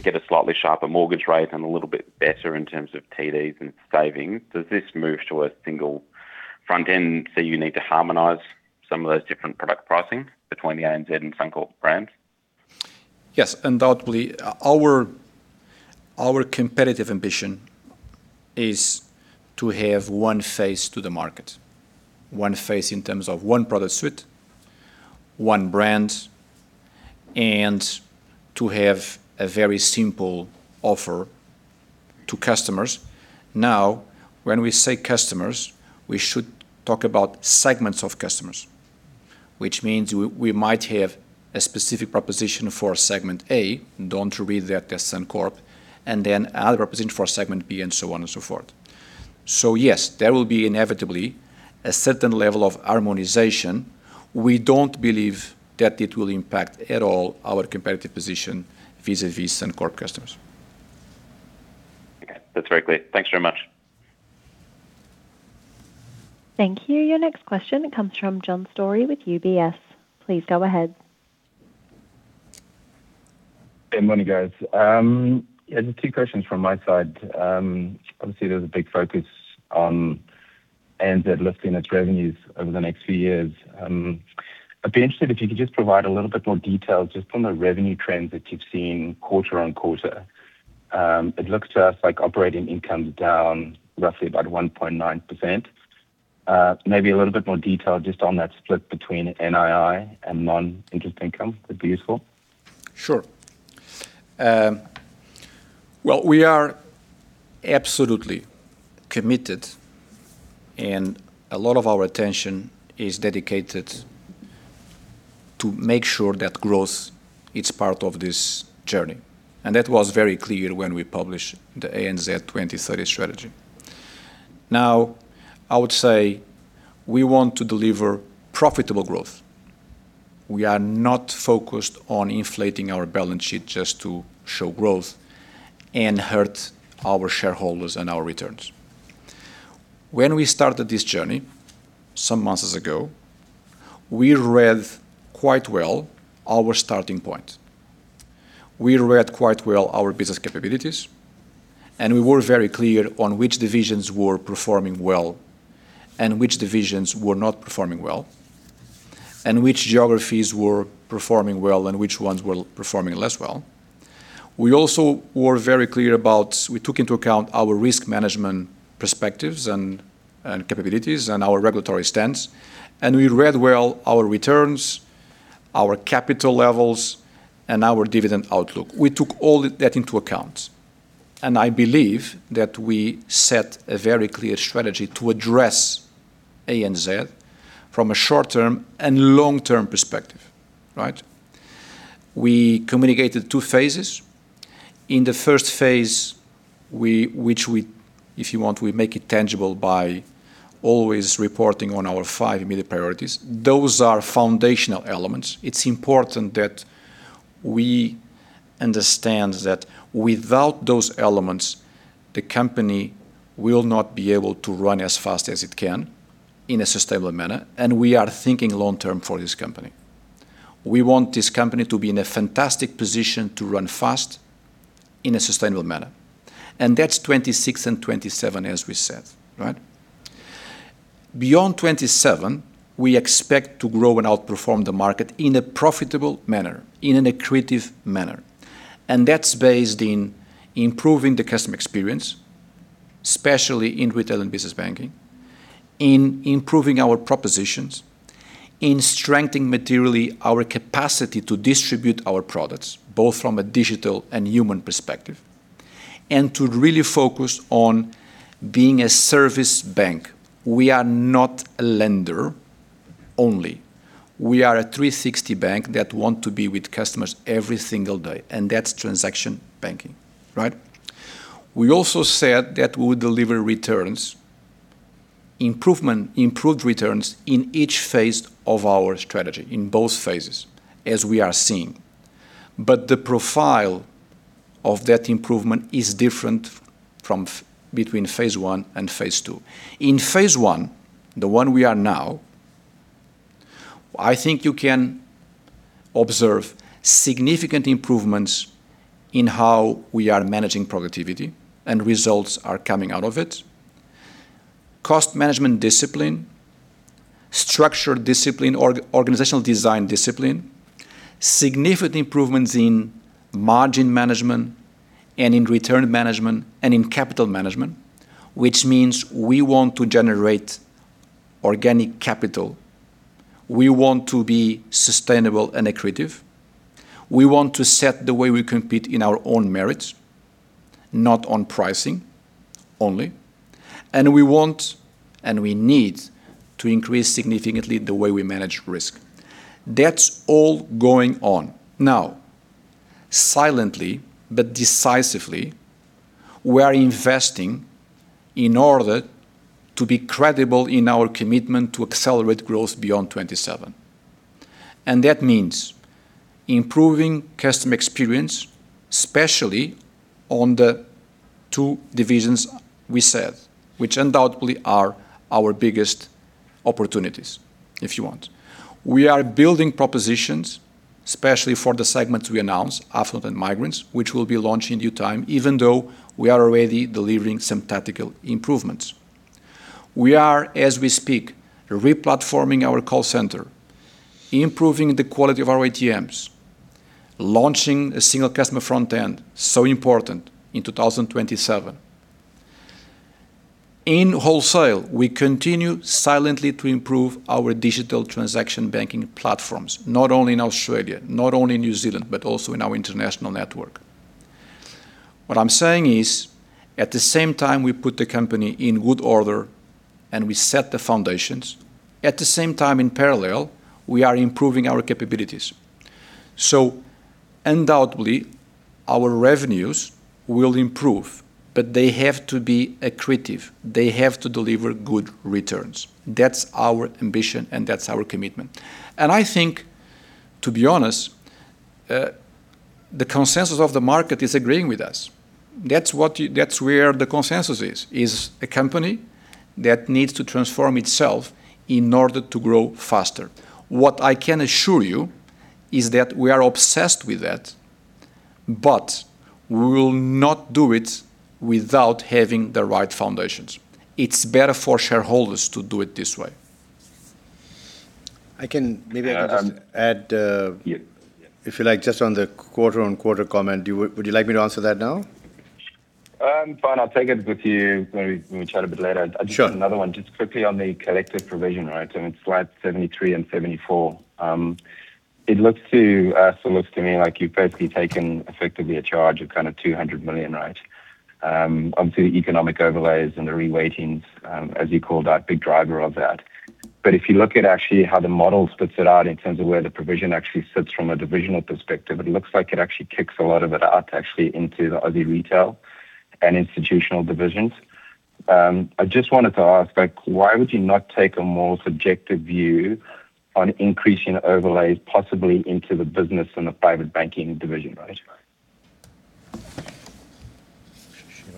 get a slightly sharper mortgage rate and a little bit better in terms of TDs and savings, does this move to a single front end say you need to harmonize some of those different product pricing between the ANZ and Suncorp Bank brands? Yes, undoubtedly. Our competitive ambition is to have one face to the market. One face in terms of one product suite, one brand, and to have a very simple offer to customers. When we say customers, we should talk about segments of customers. Which means we might have a specific proposition for segment A, don't read that as Suncorp, and then other proposition for segment B and so on and so forth. Yes, there will be inevitably a certain level of harmonization. We don't believe that it will impact at all our competitive position vis-à-vis Suncorp customers. Okay, that's very clear. Thanks very much. Thank you. Your next question comes from John Storey with UBS. Please go ahead. Good morning, guys. Yeah, just two questions from my side. Obviously there's a big focus on ANZ lifting its revenues over the next few years. I'd be interested if you could just provide a little bit more detail just on the revenue trends that you've seen quarter-on-quarter. It looks to us like operating income is down roughly about 1.9%. Maybe a little bit more detail just on that split between NII and non-interest income would be useful. Sure. Well, we are absolutely committed, and a lot of our attention is dedicated to make sure that growth is part of this journey. That was very clear when we published the ANZ 2030 strategy. Now, I would say we want to deliver profitable growth. We are not focused on inflating our balance sheet just to show growth and hurt our shareholders and our returns. When we started this journey some months ago, we read quite well our starting point. We read quite well our business capabilities, and we were very clear on which divisions were performing well and which divisions were not performing well, and which geographies were performing well and which ones were performing less well. We also were very clear about, we took into account our risk management perspectives and capabilities and our regulatory stance, we read well our returns, our capital levels, and our dividend outlook. We took all that into account. I believe that we set a very clear strategy to address ANZ from a short-term and long-term perspective, right? We communicated two phases. In the first phase, we, if you want, we make it tangible by always reporting on our five immediate priorities. Those are foundational elements. It's important that we understand that without those elements, the company will not be able to run as fast as it can in a sustainable manner, and we are thinking long term for this company. We want this company to be in a fantastic position to run fast in a sustainable manner, and that's 2026 and 2027, as we said, right? Beyond 2027, we expect to grow and outperform the market in a profitable manner, in an accretive manner, and that's based in improving the customer experience, especially in retail and business banking, in improving our propositions, in strengthening materially our capacity to distribute our products, both from a digital and human perspective, and to really focus on being a service bank. We are not a lender only. We are a 360 bank that want to be with customers every single day, and that's transaction banking, right? We also said that we would deliver returns, improvement, improved returns in each phase of our strategy, in both phases, as we are seeing. The profile of that improvement is different from between phase 1 and phase 2. In phase 1, the one we are now, I think you can observe significant improvements in how we are managing productivity, and results are coming out of it. Cost management discipline, structure discipline, organizational design discipline, significant improvements in margin management and in return management and in capital management, which means we want to generate organic capital. We want to be sustainable and accretive. We want to set the way we compete in our own merits, not on pricing only, and we want, and we need to increase significantly the way we manage risk. That's all going on. Now, silently but decisively, we are investing in order to be credible in our commitment to accelerate growth beyond 2027. That means improving customer experience, especially on the two divisions we said, which undoubtedly are our biggest opportunities, if you want. We are building propositions, especially for the segments we announced, affluent and migrants, which we'll be launching in due time, even though we are already delivering some tactical improvements. We are, as we speak, re-platforming our call center, improving the quality of our ATMs, launching a single customer front end, so important in 2027. In wholesale, we continue silently to improve our digital transaction banking platforms, not only in Australia, not only in New Zealand, but also in our international network. What I'm saying is, at the same time we put the company in good order and we set the foundations, at the same time, in parallel, we are improving our capabilities. Undoubtedly, our revenues will improve, but they have to be accretive. They have to deliver good returns. That's our ambition. That's our commitment. I think, to be honest, the consensus of the market is agreeing with us. That's what that's where the consensus is a company that needs to transform itself in order to grow faster. What I can assure you is that we are obsessed with that, but we will not do it without having the right foundations. It's better for shareholders to do it this way. I can, maybe I can just add. Um, um. if you like, just on the quarter-on-quarter comment. Would you like me to answer that now? Fine, I'll take it with you when we, when we chat a bit later. Sure. I just had another one. Just quickly on the collective provision, right, and it's slides 73 and 74. It looks to us, or looks to me like you've basically taken effectively a charge of kind of 200 million, right? Obviously the economic overlays and the reweightings, as you call that big driver of that. If you look at actually how the model splits it out in terms of where the provision actually sits from a divisional perspective, it looks like it actually kicks a lot of it out actually into the Aussie retail and institutional divisions. I just wanted to ask, like, why would you not take a more subjective view on increasing overlays possibly into the business and the private banking division, right?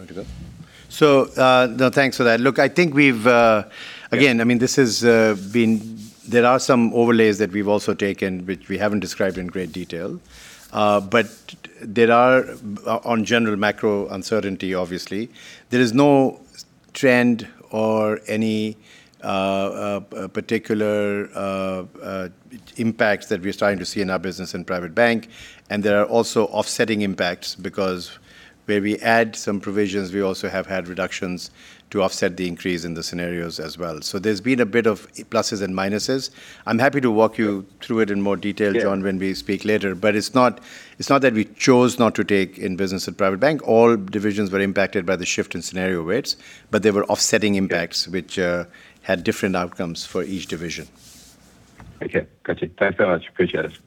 You want to go? No thanks for that. Look, I think we've Yeah. Again, I mean, this has been. There are some overlays that we've also taken which we haven't described in great detail. There are on general macro uncertainty obviously, there is no trend or any a particular impacts that we're starting to see in our Business and Private Bank, and there are also offsetting impacts because where we add some provisions, we also have had reductions to offset the increase in the scenarios as well. There's been a bit of pluses and minuses. I'm happy to walk you through it in more detail. Yeah. John, when we speak later. It's not that we chose not to take in Business and Private Bank, all divisions were impacted by the shift in scenario weights but there were offsetting impacts which had different outcomes for each division. Okay. Gotcha. Thanks very much. Appreciate it.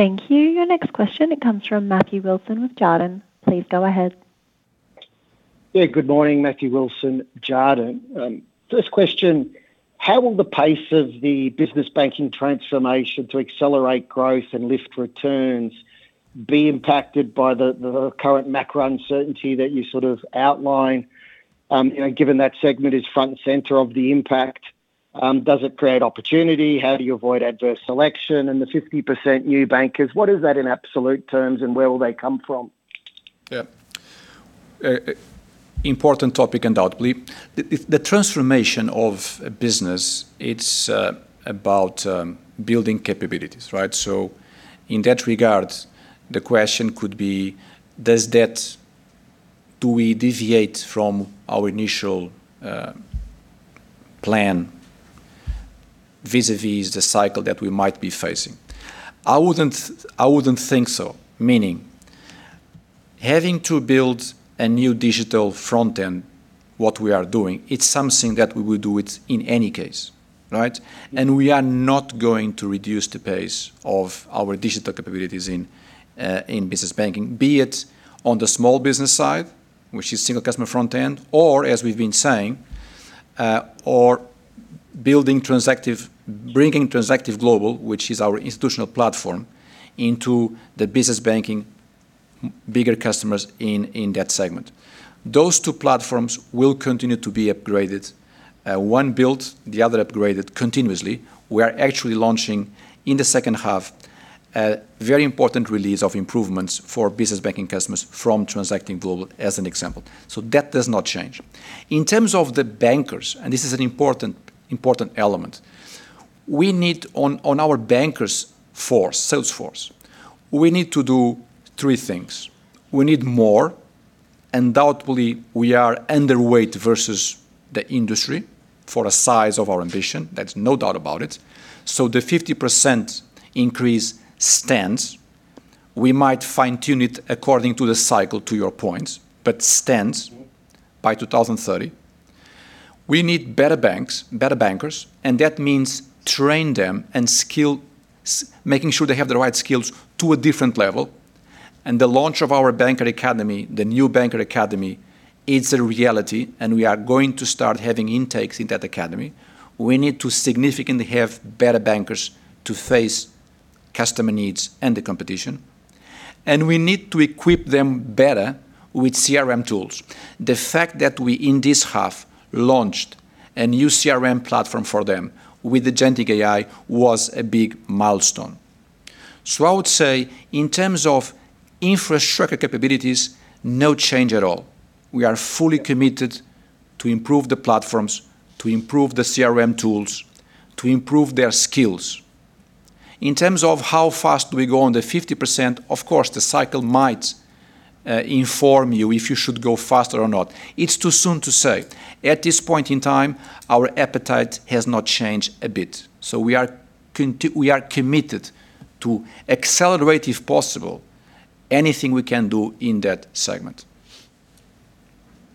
Thank you. Your next question comes from Matthew Wilson with Jarden. Please go ahead. Good morning, Matthew Wilson, Jarden. First question, how will the pace of the business banking transformation to accelerate growth and lift returns be impacted by the current macro uncertainty that you sort of outlined? You know, given that segment is front and center of the impact, does it create opportunity? How do you avoid adverse selection and the 50% new bankers, what is that in absolute terms and where will they come from? Important topic, undoubtedly. The transformation of a business, it's about building capabilities, right? In that regard, the question could be, do we deviate from our initial plan vis-a-vis the cycle that we might be facing? I wouldn't think so, meaning having to build a new digital front end, what we are doing, it's something that we would do it in any case, right? We are not going to reduce the pace of our digital capabilities in business banking, be it on the small business side, which is single customer front end, or as we've been saying, or bringing Transactive Global, which is our institutional platform, into the business banking bigger customers in that segment. Those two platforms will continue to be upgraded. One built, the other upgraded continuously. We are actually launching in the second half a very important release of improvements for business banking customers from Transactive Global as an example. That does not change. In terms of the bankers, and this is an important element, we need on our bankers force, sales force, we need to do three things. We need more. Undoubtedly, we are underweight versus the industry for a size of our ambition. There's no doubt about it. The 50% increase stands. We might fine-tune it according to the cycle, to your point, but stands by 2030. We need better banks, better bankers, and that means train them and making sure they have the right skills to a different level. The launch of our banker academy, the new banker academy, it's a reality and we are going to start having intakes in that academy. We need to significantly have better bankers to face customer needs and the competition, and we need to equip them better with CRM tools. The fact that we in this half launched a new CRM platform for them with the agentic AI was a big milestone. I would say in terms of infrastructure capabilities, no change at all. We are fully committed to improve the platforms, to improve the CRM tools, to improve their skills. In terms of how fast we go on the 50%, of course, the cycle might inform you if you should go faster or not. It's too soon to say. At this point in time, our appetite has not changed a bit. We are committed to accelerate if possible anything we can do in that segment.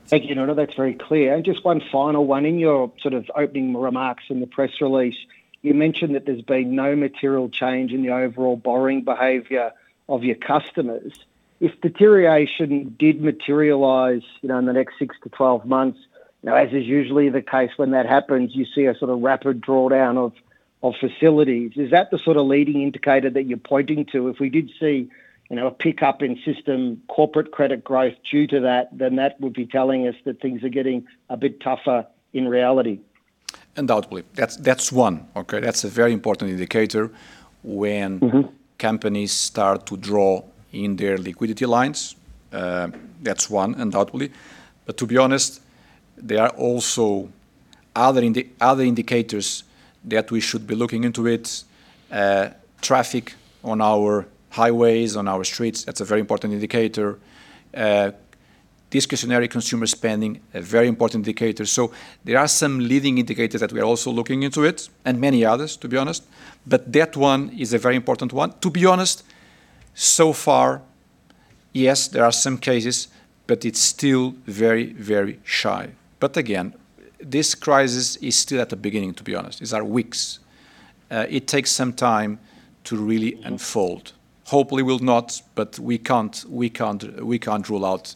Thank you, Nuno. That's very clear. Just one final one. In your sort of opening remarks in the press release, you mentioned that there's been no material change in the overall borrowing behavior of your customers. If deterioration did materialize, you know, in the next 6-12 months, you know, as is usually the case when that happens, you see a sort of rapid drawdown of facilities. Is that the sort of leading indicator that you're pointing to? If we did see, you know, a pickup in system corporate credit growth due to that would be telling us that things are getting a bit tougher in reality. Undoubtedly. That's one. Okay. That's a very important indicator. Mm-hmm Companies start to draw in their liquidity lines. That's one, undoubtedly. To be honest, there are also other indicators that we should be looking into it. Traffic on our highways, on our streets, that's a very important indicator. Discretionary consumer spending, a very important indicator. There are some leading indicators that we are also looking into it, and many others, to be honest, but that one is a very important one. To be honest, so far, yes, there are some cases, but it's still very, very shy. Again, this crisis is still at the beginning, to be honest. These are weeks. It takes some time to really unfold. Hopefully will not, but we can't rule out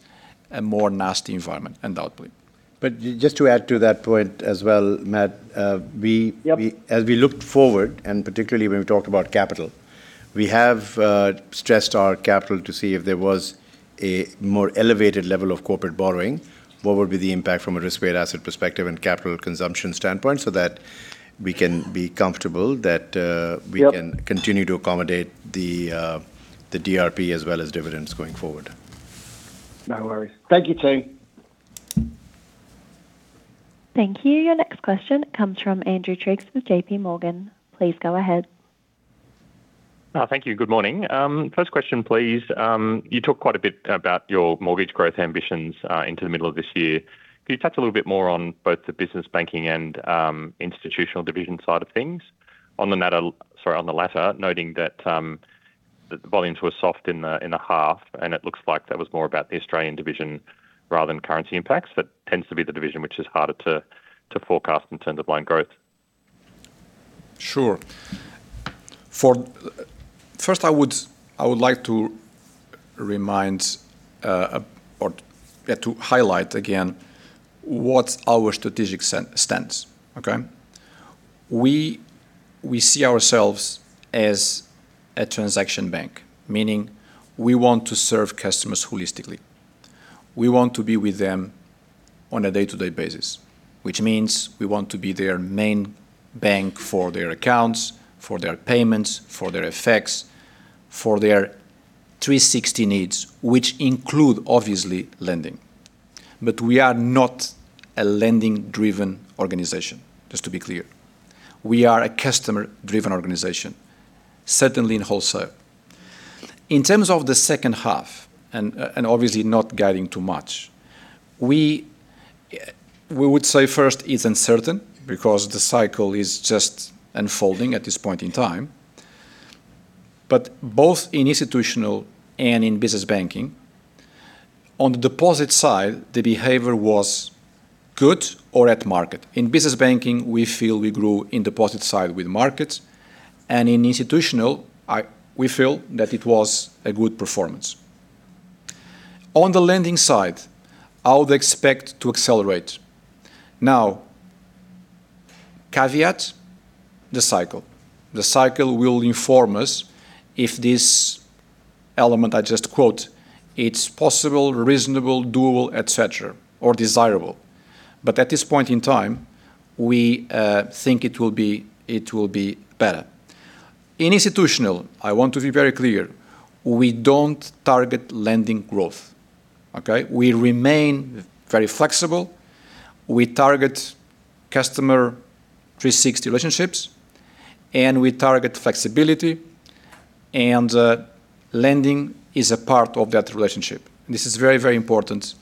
a more nasty environment, undoubtedly. Just to add to that point as well, Matt. Yep We, as we looked forward, particularly when we talked about capital, we have stressed our capital to see if there was a more elevated level of corporate borrowing, what would be the impact from a risk-weighted asset perspective and capital consumption standpoint so that we can be comfortable that. Yep. We can continue to accommodate the DRP as well as dividends going forward. No worries. Thank you, team. Thank you. Your next question comes from Andrew Triggs with JPMorgan. Please go ahead. Thank you. Good morning. First question please. You talked quite a bit about your mortgage growth ambitions, into the middle of this year. Could you touch a little bit more on both the business banking and institutional division side of things? On the latter, sorry, on the latter, noting that the volumes were soft in the half, and it looks like that was more about the Australian division rather than currency impacts. That tends to be the division which is harder to forecast in terms of loan growth. Sure. For first I would like to remind about to highlight again what's our strategic stance. Okay. We see ourselves as a transaction bank, meaning we want to serve customers holistically. We want to be with them on a day-to-day basis, which means we want to be their main bank for their accounts, for their payments, for their FX, for their 360 needs, which include, obviously, lending. We are not a lending-driven organization, just to be clear. We are a customer-driven organization, certainly in wholesale. In terms of the second half, and obviously not guiding too much, we would say first it's uncertain because the cycle is just unfolding at this point in time. Both in institutional and in business banking, on the deposit side, the behavior was good or at market. In business banking, we feel we grew in deposit side with market, in institutional, we feel that it was a good performance. On the lending side, I would expect to accelerate. Now, caveat, the cycle. The cycle will inform us if this element I just quote, it's possible, reasonable, doable, et cetera, or desirable. At this point in time, we think it will be, it will be better. In institutional, I want to be very clear, we don't target lending growth. Okay? We remain very flexible. We target customer 360 relationships, and we target flexibility, and lending is a part of that relationship. This is very, very important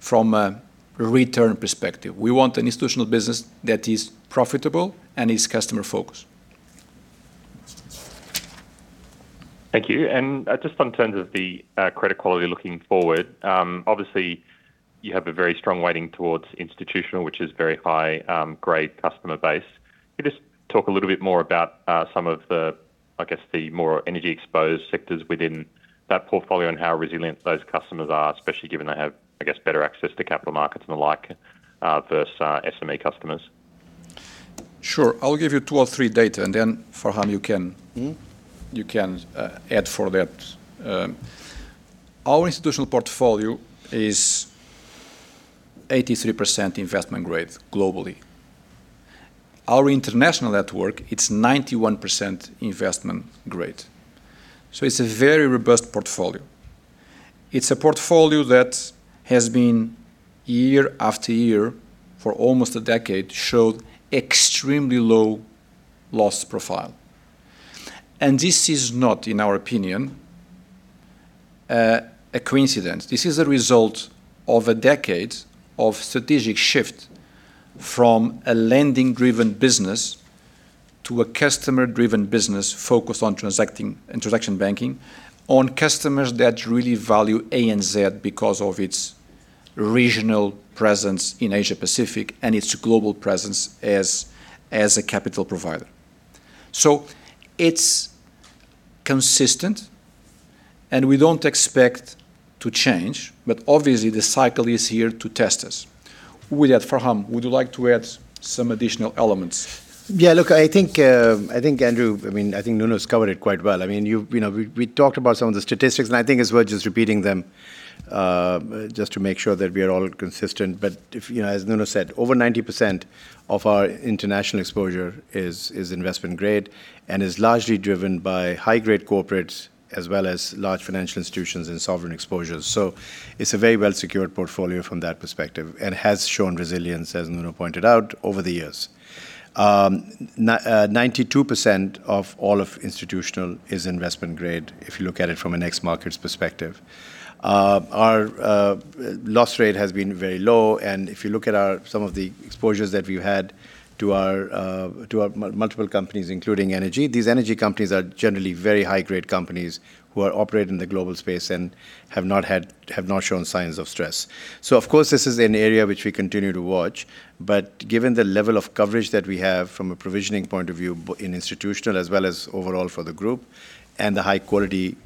from a return perspective. We want an institutional business that is profitable and is customer focused. Thank you. Just on terms of the credit quality looking forward, obviously you have a very strong weighting towards institutional, which is very high grade customer base. Could you just talk a little bit more about some of the, I guess, the more energy exposed sectors within that portfolio and how resilient those customers are, especially given they have, I guess, better access to capital markets and the like, versus SME customers? Sure. I'll give you two or three data, and then Farhan, you can. Mm-hmm. You can add for that. Our institutional portfolio is 83% investment grade globally. Our international network, it's 91% investment grade. It's a very robust portfolio. It's a portfolio that has been year after year, for almost a decade, showed extremely low loss profile. This is not, in our opinion, a coincidence. This is a result of a decade of strategic shift from a lending-driven business to a customer-driven business focused on transacting, transaction banking, on customers that really value ANZ because of its regional presence in Asia Pacific and its global presence as a capital provider. It's consistent, and we don't expect to change, but obviously the cycle is here to test us. With that, Farhan, would you like to add some additional elements? I think, I think Andrew, I think Nuno's covered it quite well. You've, you know, we talked about some of the statistics, and I think it's worth just repeating them, just to make sure that we are all consistent. If, you know, as Nuno said, over 90% of our international exposure is investment grade and is largely driven by high grade corporates as well as large financial institutions and sovereign exposures. It's a very well-secured portfolio from that perspective and has shown resilience, as Nuno pointed out, over the years. 92% of all of institutional is investment grade, if you look at it from an ex markets perspective. Our loss rate has been very low, and if you look at our, some of the exposures that we've had to our multiple companies, including energy, these energy companies are generally very high grade companies who are operating in the global space and have not shown signs of stress. Of course, this is an area which we continue to watch, but given the level of coverage that we have from a provisioning point of view in institutional as well as overall for the group, and the high quality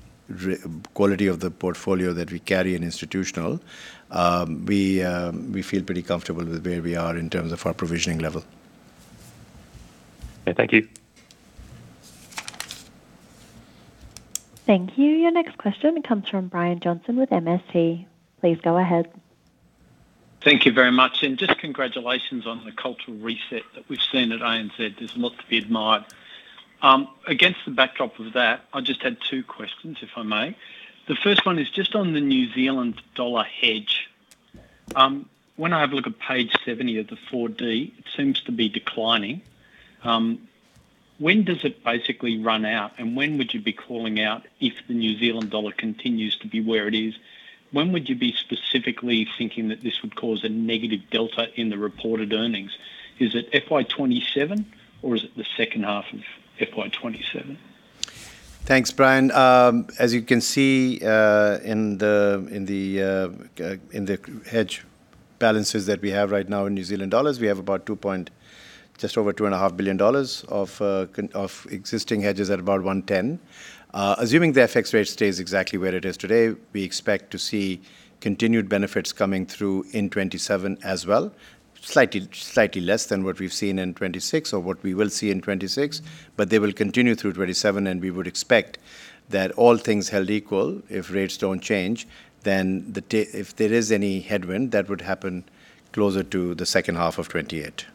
of the portfolio that we carry in institutional, we feel pretty comfortable with where we are in terms of our provisioning level. Okay, thank you. Thank you. Your next question comes from Brian Johnson with MST. Please go ahead. Thank you very much. Just congratulations on the cultural reset that we've seen at ANZ. There's a lot to be admired. Against the backdrop of that, I just had two questions, if I may. The first one is just on the New Zealand dollar hedge. When I have a look at page 70 of the Appendix 4D, it seems to be declining. When does it basically run out, and when would you be calling out if the New Zealand dollar continues to be where it is? When would you be specifically thinking that this would cause a negative delta in the reported earnings? Is it FY 2027 or is it the second half of FY 2027? Thanks, Brian. As you can see, in the hedge balances that we have right now in New Zealand dollars, we have about just over 2.5 billion dollars of existing hedges at about 1.10 billion. Assuming the FX rate stays exactly where it is today, we expect to see continued benefits coming through in 2027 as well. Slightly less than what we've seen in 2026 or what we will see in 2026, but they will continue through 2027, and we would expect that all things held equal, if rates don't change, then if there is any headwind, that would happen closer to the second half of 2028.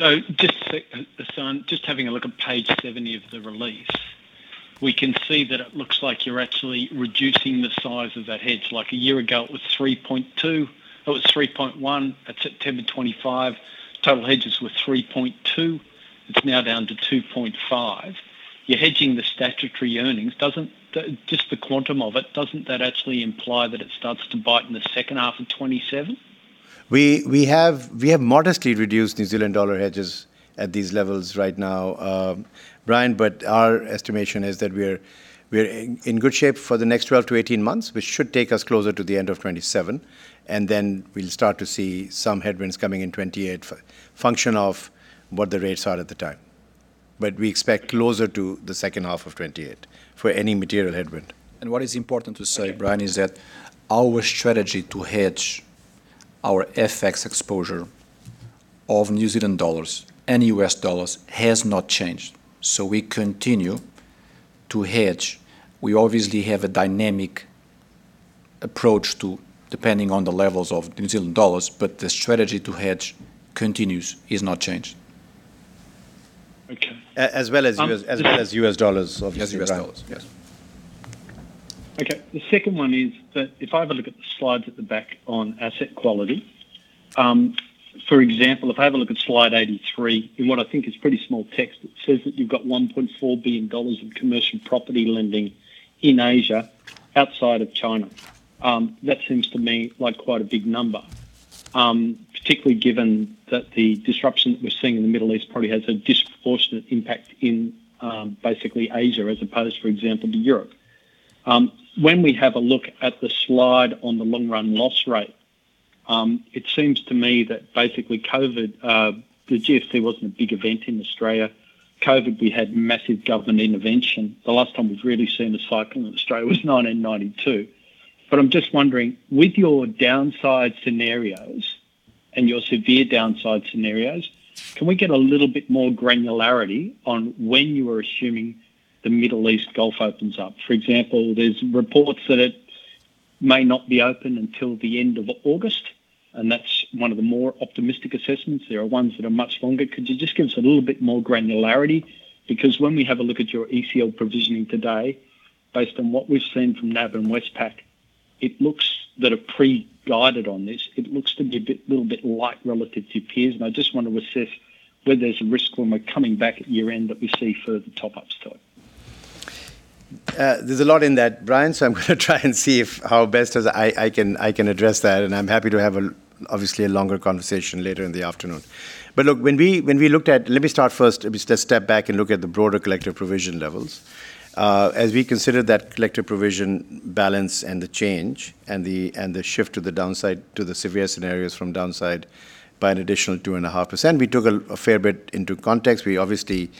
I'm just having a look at page 70 of the release. We can see that it looks like you're actually reducing the size of that hedge. Like a year ago it was 3.2 billion. It was 3.1 billion at September 25. Total hedges were 3.2 billion. It's now down to 2.5 billion. You're hedging the statutory earnings. Doesn't the, just the quantum of it, doesn't that actually imply that it starts to bite in the second half of 2027? We have modestly reduced New Zealand dollar hedges at these levels right now, Brian. Our estimation is that we're in good shape for the next 12-18 months, which should take us closer to the end of 2027, and then we'll start to see some headwinds coming in 2028 function of what the rates are at the time. We expect closer to the second half of 2028 for any material headwind. What is important to say, Brian, is that our strategy to hedge our FX exposure of New Zealand dollars and U.S. dollars has not changed. We continue to hedge. We obviously have a dynamic approach to, depending on the levels of New Zealand dollars, but the strategy to hedge continues, is not changed. Okay. As well as U.S. Um, um- As well as U.S. dollars, obviously, Brian. As U.S. Dollars, yes. Okay. The second one is that if I have a look at the slides at the back on asset quality, for example, if I have a look at slide 83, in what I think is pretty small text, it says that you've got 1.4 billion dollars of commercial property lending in Asia outside of China. That seems to me like quite a big number, particularly given that the disruption that we're seeing in the Middle East probably has a disproportionate impact in basically Asia as opposed, for example, to Europe. When we have a look at the slide on the long-run loss rate, it seems to me that basically COVID, the GFC wasn't a big event in Australia. COVID, we had massive government intervention. The last time we've really seen a cycle in Australia was 1992. I'm just wondering, with your downside scenarios and your severe downside scenarios, can we get a little bit more granularity on when you are assuming the Middle East Gulf opens up? For example, there's reports that it may not be open until the end of August, and that's one of the more optimistic assessments. There are ones that are much longer. Could you just give us a little bit more granularity? Because when we have a look at your ECL provisioning today, based on what we've seen from NAB and Westpac, it looks, that are pre-guided on this, it looks to be a bit, little bit light relative to peers. I just want to assess whether there's a risk when we're coming back at year-end that we see further top-ups to it. There's a lot in that, Brian. I'm gonna try and see if how best as I can address that, and I'm happy to have a, obviously a longer conversation later in the afternoon. Look, when we looked at. Let me start first. Let me just step back and look at the broader collective provision levels. As we consider that collective provision balance and the change and the, and the shift to the downside, to the severe scenarios from downside by an additional 2.5%, we took a fair bit into context. We obviously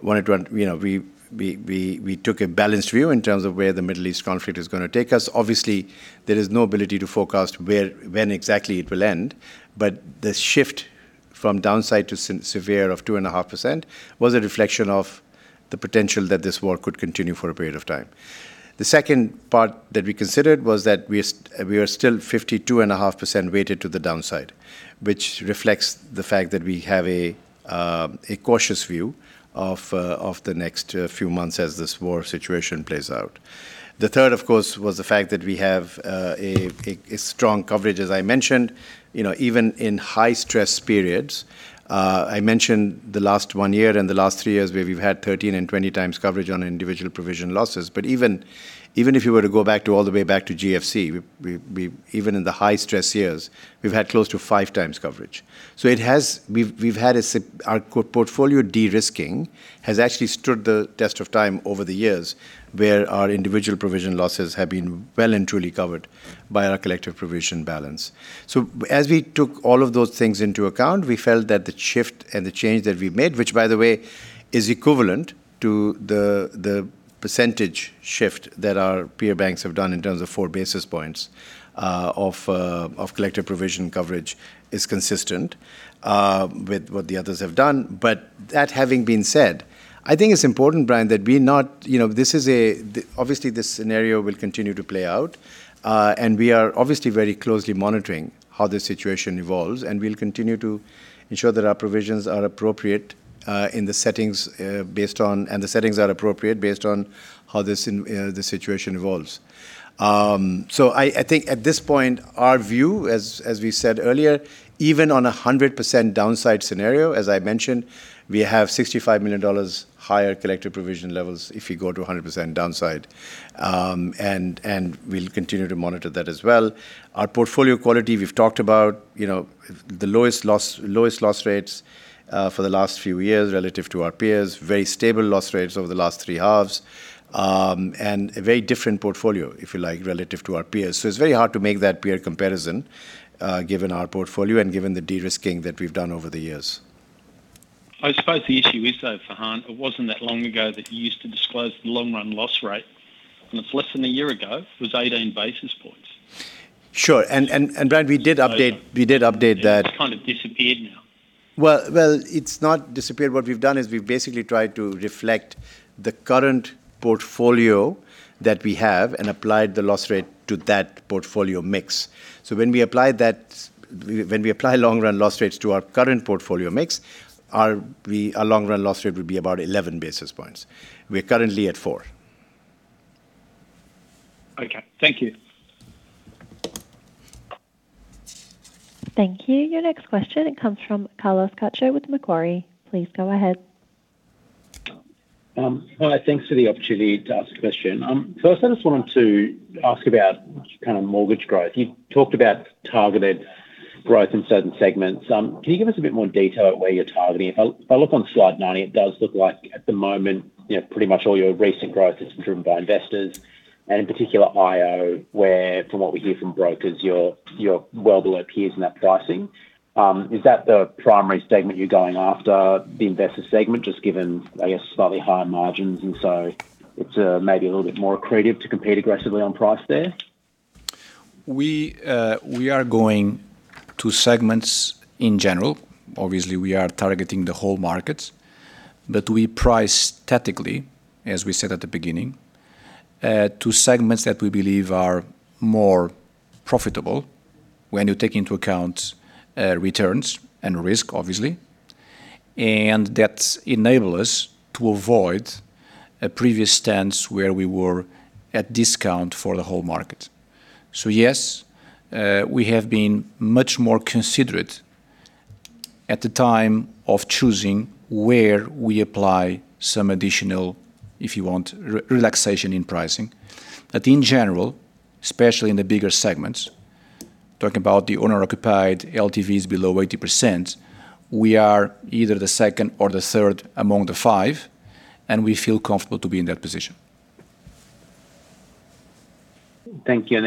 wanted to, you know, we took a balanced view in terms of where the Middle East conflict is gonna take us. Obviously, there is no ability to forecast where, when exactly it will end. The shift from downside to severe of 2.5% was a reflection of the potential that this war could continue for a period of time. The second part that we considered was that we are still 52.5% weighted to the downside, which reflects the fact that we have a cautious view of the next few months as this war situation plays out. The third, of course, was the fact that we have a strong coverage, as I mentioned, you know, even in high-stress periods. I mentioned the last one year and the last three years where we've had 13 and 20 times coverage on individual provision losses. Even if you were to go back to all the way back to GFC, we even in the high-stress years, we've had close to five times coverage. We've had our portfolio de-risking has actually stood the test of time over the years, where our individual provision losses have been well and truly covered by our collective provision balance. As we took all of those things into account, we felt that the shift and the change that we made, which by the way, is equivalent to the percentage shift that our peer banks have done in terms of 4 basis points of collective provision coverage is consistent with what the others have done. That having been said, I think it's important, Brian, that we not. You know, obviously, this scenario will continue to play out. And we are obviously very closely monitoring how the situation evolves, and we'll continue to ensure that our provisions are appropriate in the settings, and the settings are appropriate based on how this situation evolves. I think at this point, our view, as we said earlier, even on a 100% downside scenario, as I mentioned, we have 65 million dollars higher collective provision levels if you go to a 100% downside. And we'll continue to monitor that as well. Our portfolio quality, we've talked about, you know, the lowest loss rates for the last few years relative to our peers, very stable loss rates over the last three halves, and a very different portfolio, if you like, relative to our peers. It's very hard to make that peer comparison given our portfolio and given the de-risking that we've done over the years. I suppose the issue is, though, Farhan, it wasn't that long ago that you used to disclose the long-run loss rate. It's less than a year ago, it was 18 basis points. Sure. Brian, we did update that. It's kind of disappeared now. Well, it's not disappeared. What we've done is we've basically tried to reflect the current portfolio that we have and applied the loss rate to that portfolio mix. When we apply long-run loss rates to our current portfolio mix, our long-run loss rate would be about 11 basis points. We're currently at 4 basis points. Okay. Thank you. Thank you. Your next question comes from Carlos Cacho with Macquarie. Please go ahead. Hi, thanks for the opportunity to ask a question. First, I just wanted to ask about kind of mortgage growth. You talked about targeted growth in certain segments. Can you give us a bit more detail at where you're targeting? If I, if I look on slide 90, it does look like at the moment, you know, pretty much all your recent growth has been driven by investors and in particular IO, where from what we hear from brokers, you're well below peers in that pricing. Is that the primary segment you're going after the investor segment, just given, I guess, slightly higher margins, and so it's, maybe a little bit more accretive to compete aggressively on price there? We are going to segments in general. Obviously, we are targeting the whole market, but we price statically, as we said at the beginning, to segments that we believe are more profitable when you take into account returns and risk, obviously. That enable us to avoid a previous stance where we were at discount for the whole market. Yes, we have been much more considerate at the time of choosing where we apply some additional, if you want, relaxation in pricing. In general, especially in the bigger segments, talking about the owner-occupied LTVs below 80%, we are either the second or the third among the five, and we feel comfortable to be in that position. Thank you.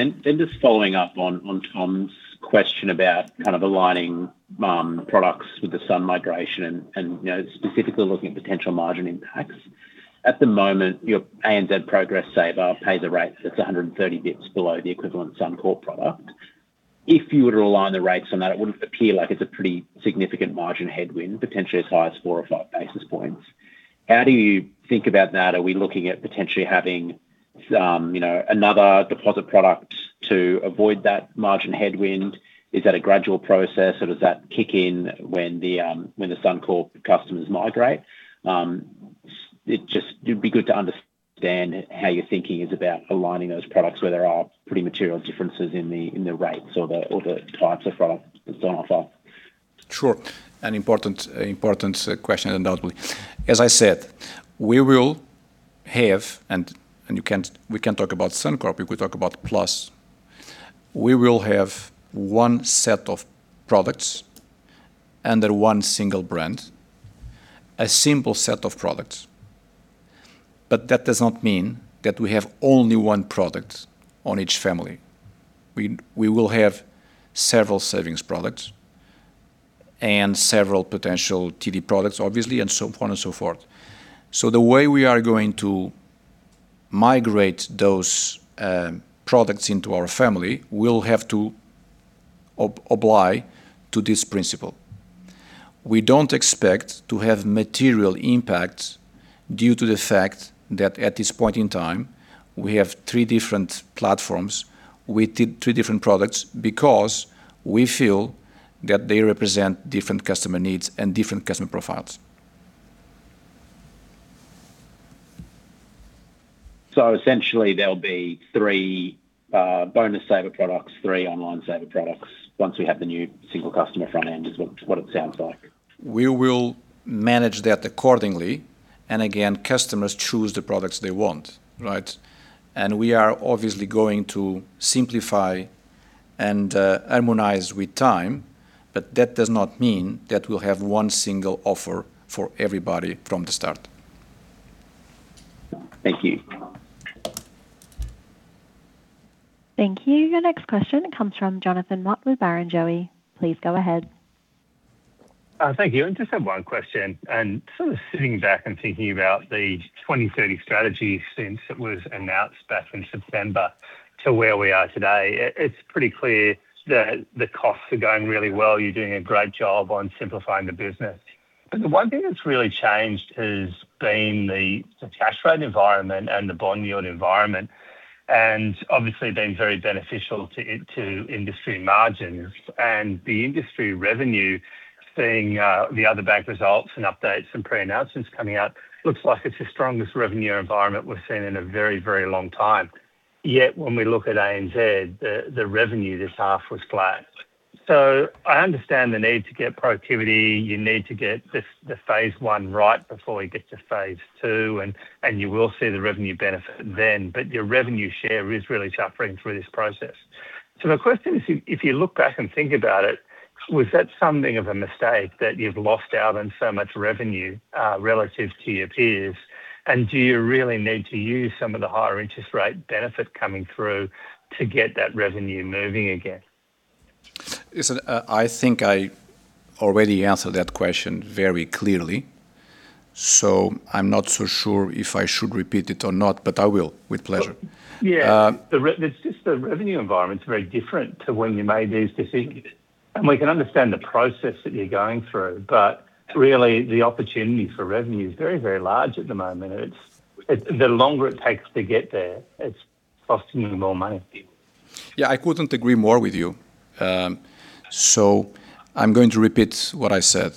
Just following up on Tom's question about kind of aligning products with the Suncorp migration and, you know, specifically looking at potential margin impacts. At the moment, your ANZ Progress Saver pays a rate that's 130 basis points below the equivalent Suncorp product. If you were to align the rates on that, it would appear like it's a pretty significant margin headwind, potentially as high as 4 or 5 basis points. How do you think about that? Are we looking at potentially having some, you know, another deposit product to avoid that margin headwind? Is that a gradual process, or does that kick in when the Suncorp customers migrate? It'd be good to understand how your thinking is about aligning those products where there are pretty material differences in the, in the rates or the, or the types of products that's on offer. Sure. An important question, undoubtedly. As I said, we will have, and we can talk about Suncorp, we could talk about Plus. We will have one set of products under one single brand, a simple set of products. That does not mean that we have only one product on each family. We will have several savings products and several potential TD products, obviously, and so on and so forth. The way we are going to migrate those products into our family will have to obey to this principle. We don't expect to have material impact due to the fact that at this point in time, we have three different platforms with three different products because we feel that they represent different customer needs and different customer profiles. Essentially there'll be three bonus saver products, three online saver products once we have the new single customer front end, is what it sounds like? We will manage that accordingly. Again, customers choose the products they want, right? We are obviously going to simplify and harmonize with time, but that does not mean that we'll have one single offer for everybody from the start. Thank you. Thank you. Your next question comes from Jonathan Mott with Barrenjoey. Please go ahead. Thank you. I just have one question. Sort of sitting back and thinking about the ANZ 2030 strategy since it was announced back in September to where we are today, it's pretty clear that the costs are going really well. You're doing a great job on simplifying the business. The one thing that's really changed has been the cash rate environment and the bond yield environment, and obviously been very beneficial to industry margins. The industry revenue, seeing the other bank results and updates and pre-announcements coming out, looks like it's the strongest revenue environment we've seen in a very, very long time. When we look at ANZ, the revenue this half was flat. I understand the need to get productivity. You need to get this, the phase 1 right before we get to phase 2, and you will see the revenue benefit then, but your revenue share is really suffering through this process. The question is, if you look back and think about it, was that something of a mistake that you've lost out on so much revenue, relative to your peers? Do you really need to use some of the higher interest rate benefit coming through to get that revenue moving again? Listen, I think I already answered that question very clearly, so I'm not so sure if I should repeat it or not, but I will with pleasure. Yeah. It's just the revenue environment's very different to when you made these decisions. We can understand the process that you're going through, really the opportunity for revenue is very, very large at the moment. The longer it takes to get there, it's costing you more money. Yeah, I couldn't agree more with you. I'm going to repeat what I said.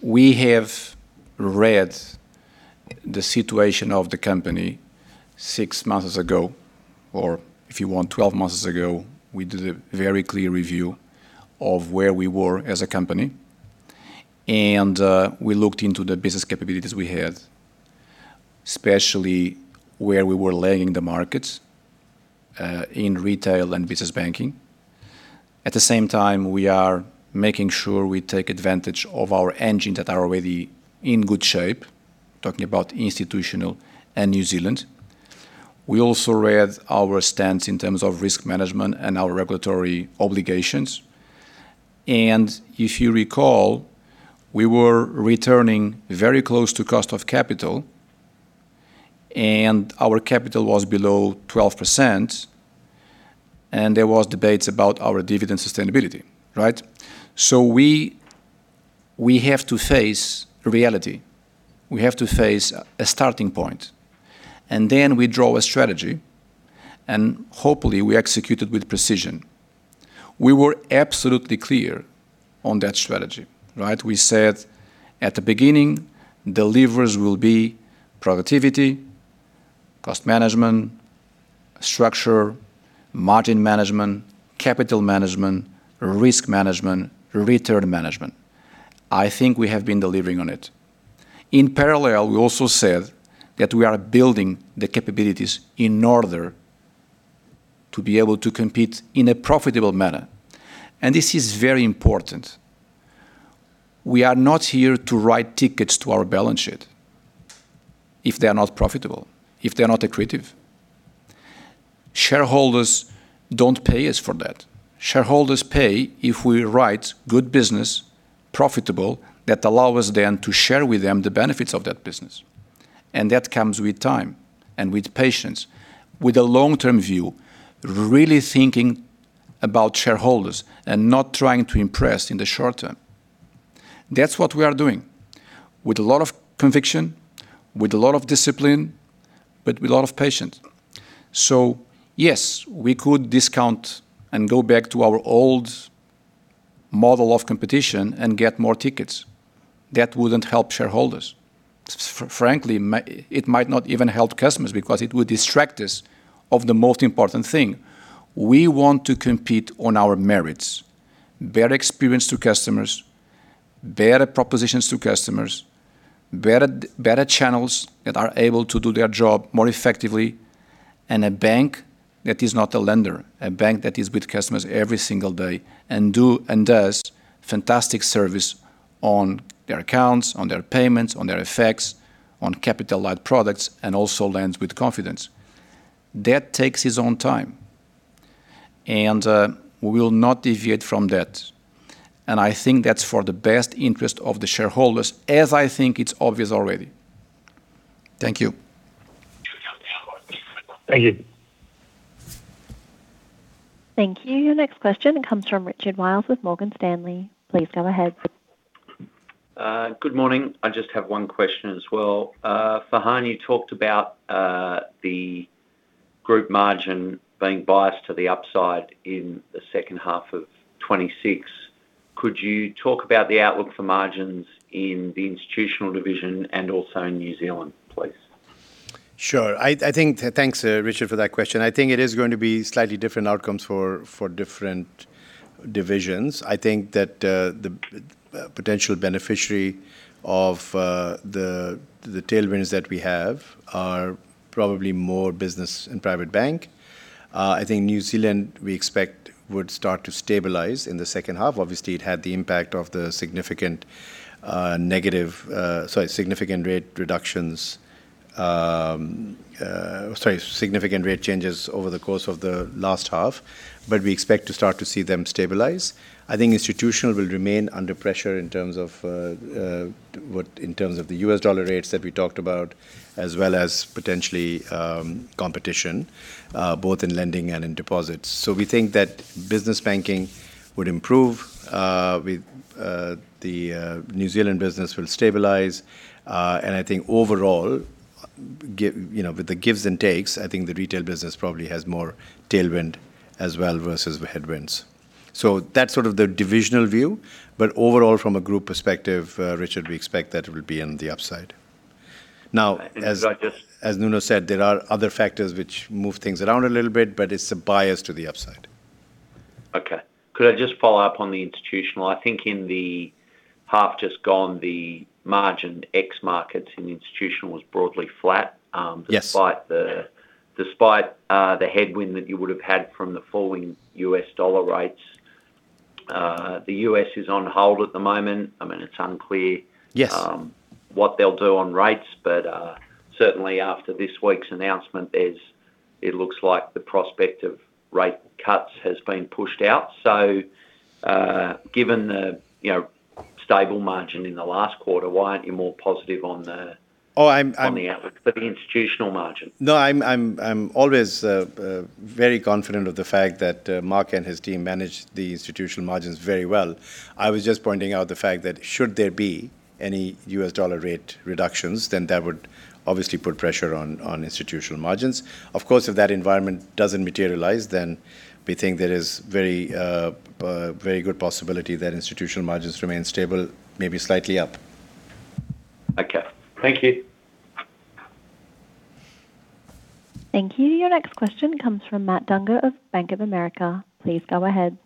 We have read the situation of the company six months ago, or if you want, 12 months ago. We did a very clear review of where we were as a company. We looked into the business capabilities we had, especially where we were leading the markets in retail and business banking. At the same time, we are making sure we take advantage of our engines that are already in good shape. Talking about institutional and New Zealand. We also read our stance in terms of risk management and our regulatory obligations. If you recall, we were returning very close to cost of capital, and our capital was below 12%, and there was debates about our dividend sustainability, right? We have to face reality. We have to face a starting point. Then we draw a strategy, and hopefully we execute it with precision. We were absolutely clear on that strategy, right? We said at the beginning, delivers will be productivity, cost management, structure, margin management, capital management, risk management, return management. I think we have been delivering on it. In parallel, we also said that we are building the capabilities in order to be able to compete in a profitable manner. This is very important. We are not here to write tickets to our balance sheet if they are not profitable, if they are not accretive. Shareholders don't pay us for that. Shareholders pay if we write good business, profitable, that allow us then to share with them the benefits of that business. That comes with time and with patience, with a long-term view, really thinking about shareholders and not trying to impress in the short term. That's what we are doing with a lot of conviction, with a lot of discipline, but with a lot of patience. Yes, we could discount and go back to our old model of competition and get more tickets. That wouldn't help shareholders. frankly, it might not even help customers because it would distract us of the most important thing. We want to compete on our merits, better experience to customers, better propositions to customers, better channels that are able to do their job more effectively, and a bank that is not a lender, a bank that is with customers every single day and does fantastic service on their accounts, on their payments, on their effects, on capital allied products, and also lends with confidence. That takes its own time. We will not deviate from that. I think that's for the best interest of the shareholders, as I think it's obvious already. Thank you. Thank you. Thank you. Your next question comes from Richard Wiles with Morgan Stanley. Please go ahead. Good morning. I just have one question as well. Farhan, you talked about, the Group margin being biased to the upside in the second half of 2026. Could you talk about the outlook for margins in the institutional division and also in New Zealand, please? Sure. Thanks, Richard, for that question. I think it is going to be slightly different outcomes for different divisions. I think that the potential beneficiary of the tailwinds that we have are probably more Business and Private Bank. I think New Zealand, we expect would start to stabilize in the second half. Obviously, it had the impact of the significant negative, sorry, significant rate reductions, sorry, significant rate changes over the course of the last half, but we expect to start to see them stabilize. I think institutional will remain under pressure in terms of what-- in terms of the U.S. Dollar rates that we talked about, as well as potentially competition, both in lending and in deposits. We think that business banking would improve with the New Zealand business will stabilize. I think overall, you know, with the gives and takes, I think the retail business probably has more tailwind as well versus headwinds. That's sort of the divisional view. Overall, from a group perspective, Richard, we expect that it will be on the upside. Could I just. As Nuno said, there are other factors which move things around a little bit, but it's biased to the upside. Okay. Could I just follow up on the institutional? I think in the half just gone, the margin ex markets in institutional was broadly flat. Yes Despite the headwind that you would have had from the falling U.S. dollar rates. The U.S. is on hold at the moment. I mean, it's unclear. Yes. What they'll do on rates, certainly after this week's announcement, it looks like the prospect of rate cuts has been pushed out. Given the, you know, stable margin in the last quarter, why aren't you more positive on the. Oh. On the outlook for the institutional margin? No, I'm always very confident of the fact that Mark and his team manage the institutional margins very well. I was just pointing out the fact that should there be any U.S. dollar rate reductions, then that would obviously put pressure on institutional margins. Of course, if that environment doesn't materialize, then we think there is very good possibility that institutional margins remain stable, maybe slightly up. Okay. Thank you. Thank you. Your next question comes from Matt Dunger of Bank of America. Please go ahead.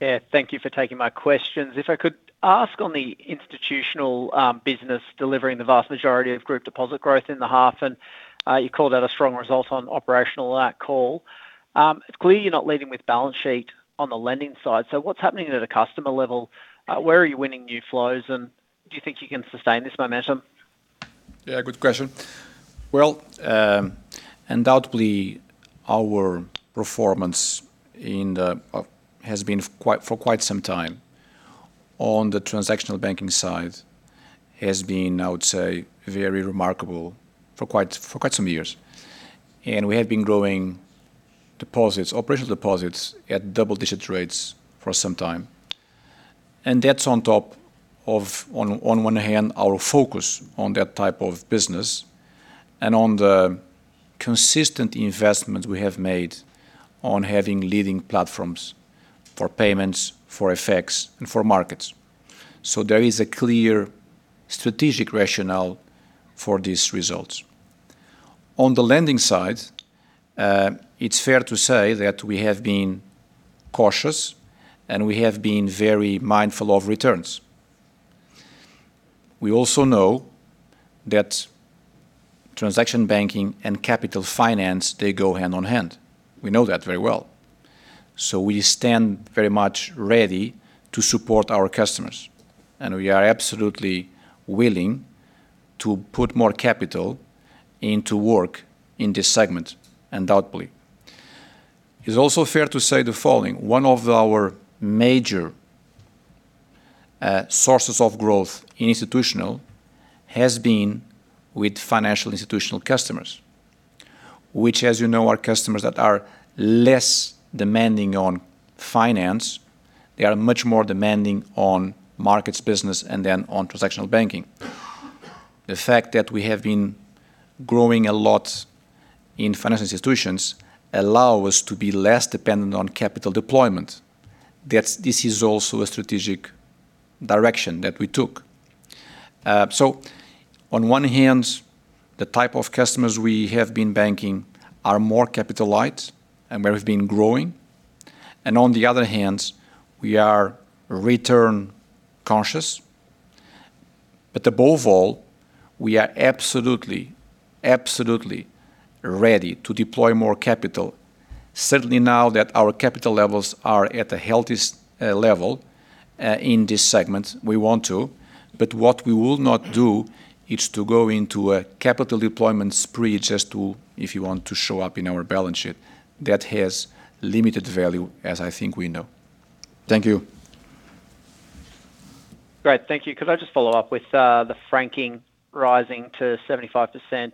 Yeah, thank you for taking my questions. If I could ask on the institutional business delivering the vast majority of group deposit growth in the half, you called out a strong result on operational call. It's clear you're not leading with balance sheet on the lending side. What's happening at a customer level? Where are you winning new flows? Do you think you can sustain this momentum? Yeah, good question. Well, undoubtedly, our performance for quite some time on the transactional banking side has been, I would say, very remarkable for quite some years. We have been growing deposits, operational deposits at double-digit rates for some time. That's on top of, on one hand, our focus on that type of business and on the consistent investments we have made on having leading platforms for payments, for FX and for markets. There is a clear strategic rationale for these results. On the lending side, it's fair to say that we have been cautious, and we have been very mindful of returns. We also know that transaction banking and capital finance, they go hand in hand. We know that very well. We stand very much ready to support our customers, and we are absolutely willing to put more capital into work in this segment, undoubtedly. It's also fair to say the following: One of our major sources of growth in institutional has been with financial institutional customers, which, as you know, are customers that are less demanding on finance. They are much more demanding on markets business then on transactional banking. The fact that we have been growing a lot in financial institutions allow us to be less dependent on capital deployment. This is also a strategic direction that we took. On one hand, the type of customers we have been banking are more capital light and where we've been growing. On the other hand, we are return conscious. Above all, we are absolutely ready to deploy more capital. Certainly now that our capital levels are at the healthiest, level, in this segment, we want to. What we will not do is to go into a capital deployment spree just to, if you want to show up in our balance sheet. That has limited value, as I think we know. Thank you. Great. Thank you. Could I just follow up with the franking rising to 75%?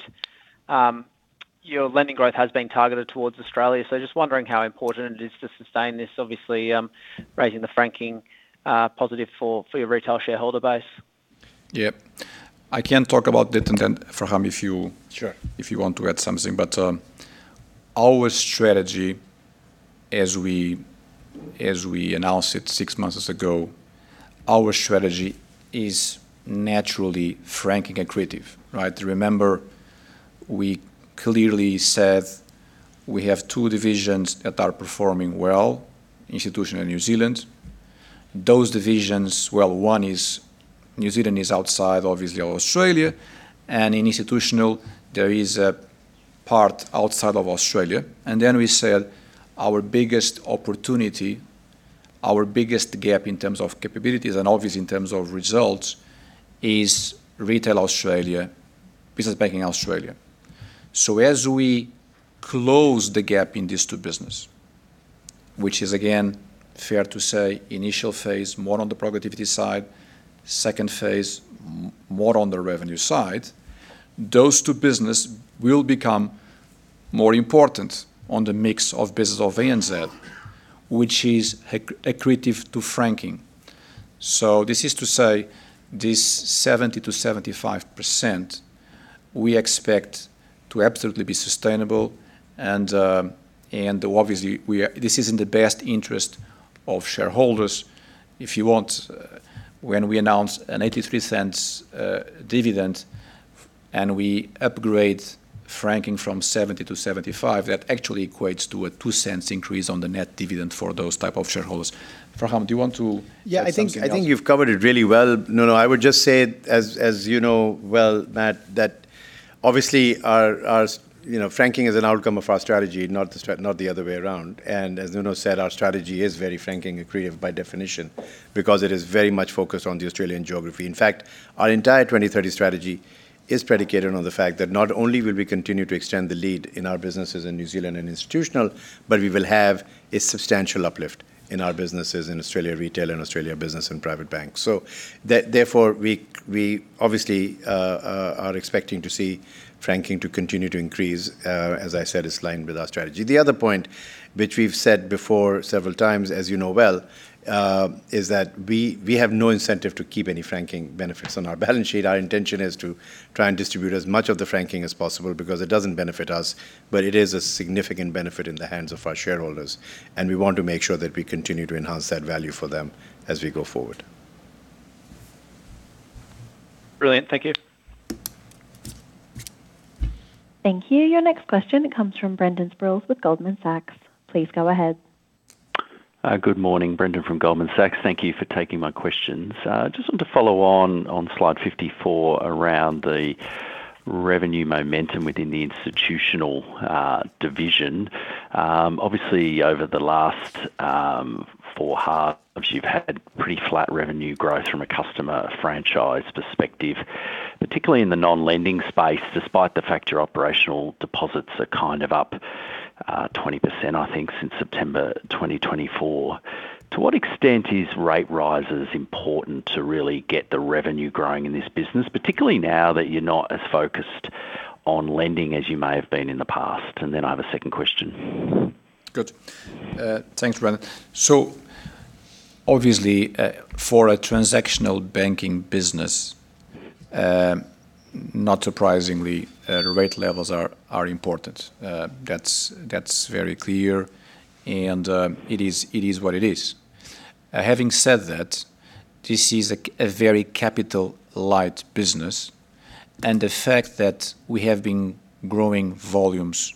Your lending growth has been targeted towards Australia, so just wondering how important it is to sustain this, obviously, raising the franking positive for your retail shareholder base. Yeah. I can talk about that and then, Farhan, if you. Sure. If you want to add something. Our strategy as we announced it six months ago, our strategy is naturally franking accretive, right? Remember, we clearly said we have two divisions that are performing well, Institutional and New Zealand. Those divisions, well, one is New Zealand is outside, obviously, of Australia, and in Institutional there is a part outside of Australia. Then we said our biggest opportunity, our biggest gap in terms of capabilities, and obviously in terms of results, is Retail Australia, Business Banking Australia. As we close the gap in these two business, which is again fair to say initial phase more on the productivity side, second phase more on the revenue side, those two business will become more important on the mix of business of ANZ, which is accretive to franking. This is to say, this 70%-75% we expect to absolutely be sustainable and obviously this is in the best interest of shareholders. If you want, when we announce an 0.83 dividend and we upgrade franking from 70%-75%, that actually equates to an 0.02 increase on the net dividend for those type of shareholders. Farhan, do you want to add something else? Yeah, I think you've covered it really well, Nuno. I would just say, as you know well, Matt, that obviously our you know, franking is an outcome of our strategy, not the other way around. As Nuno said, our strategy is very franking accretive by definition because it is very much focused on the Australian geography. In fact, our entire ANZ 2030 strategy is predicated on the fact that not only will we continue to extend the lead in our businesses in New Zealand and Institutional, but we will have a substantial uplift in our businesses in Australia Retail and Australia Business and Private Bank. That therefore, we obviously are expecting to see franking to continue to increase. As I said, it's aligned with our strategy. The other point, which we've said before several times, as you know well, is that we have no incentive to keep any franking benefits on our balance sheet. Our intention is to try and distribute as much of the franking as possible because it doesn't benefit us, but it is a significant benefit in the hands of our shareholders, and we want to make sure that we continue to enhance that value for them as we go forward. Brilliant, thank you. Thank you. Your next question comes from Brendan Sproules with Goldman Sachs. Please go ahead. Good morning. Brendan from Goldman Sachs. Thank you for taking my questions. Just want to follow on on slide 54 around the revenue momentum within the Institutional division. Obviously over the last four halves, you've had pretty flat revenue growth from a customer franchise perspective, particularly in the non-lending space, despite the fact your operational deposits are kind of up 20%, I think, since September 2024. To what extent is rate rises important to really get the revenue growing in this business, particularly now that you're not as focused on lending as you may have been in the past? Then I have a second question. Good. Thanks, Brendan. Obviously, for a transactional banking business, not surprisingly, rate levels are important. That's very clear and it is what it is. Having said that, this is a very capital light business and the fact that we have been growing volumes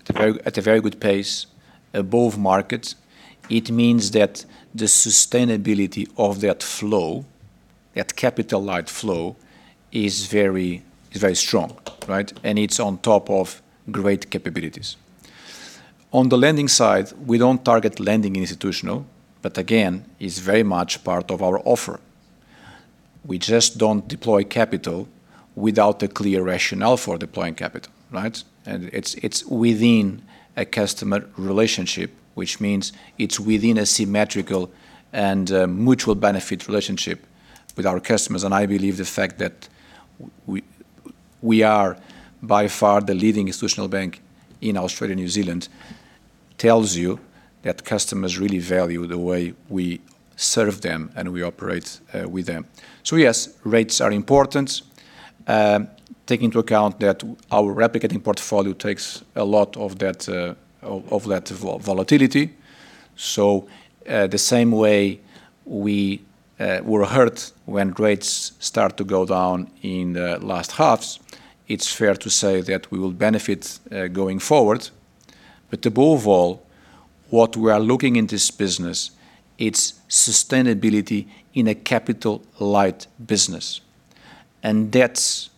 at a very, at a very good pace above market, it means that the sustainability of that flow, that capital light flow, is very, is very strong. Right? It's on top of great capabilities. On the lending side, we don't target lending in Institutional, but again, it's very much part of our offer. We just don't deploy capital without a clear rationale for deploying capital, right? It's within a customer relationship, which means it's within a symmetrical and a mutual benefit relationship with our customers. I believe the fact that we are by far the leading institutional bank in Australia and New Zealand tells you that customers really value the way we serve them and we operate with them. Yes, rates are important. Take into account that our replicating portfolio takes a lot of that, of that volatility. The same way we were hurt when rates start to go down in the last halves, it's fair to say that we will benefit going forward. Above all, what we are looking in this business, it's sustainability in a capital light business. That's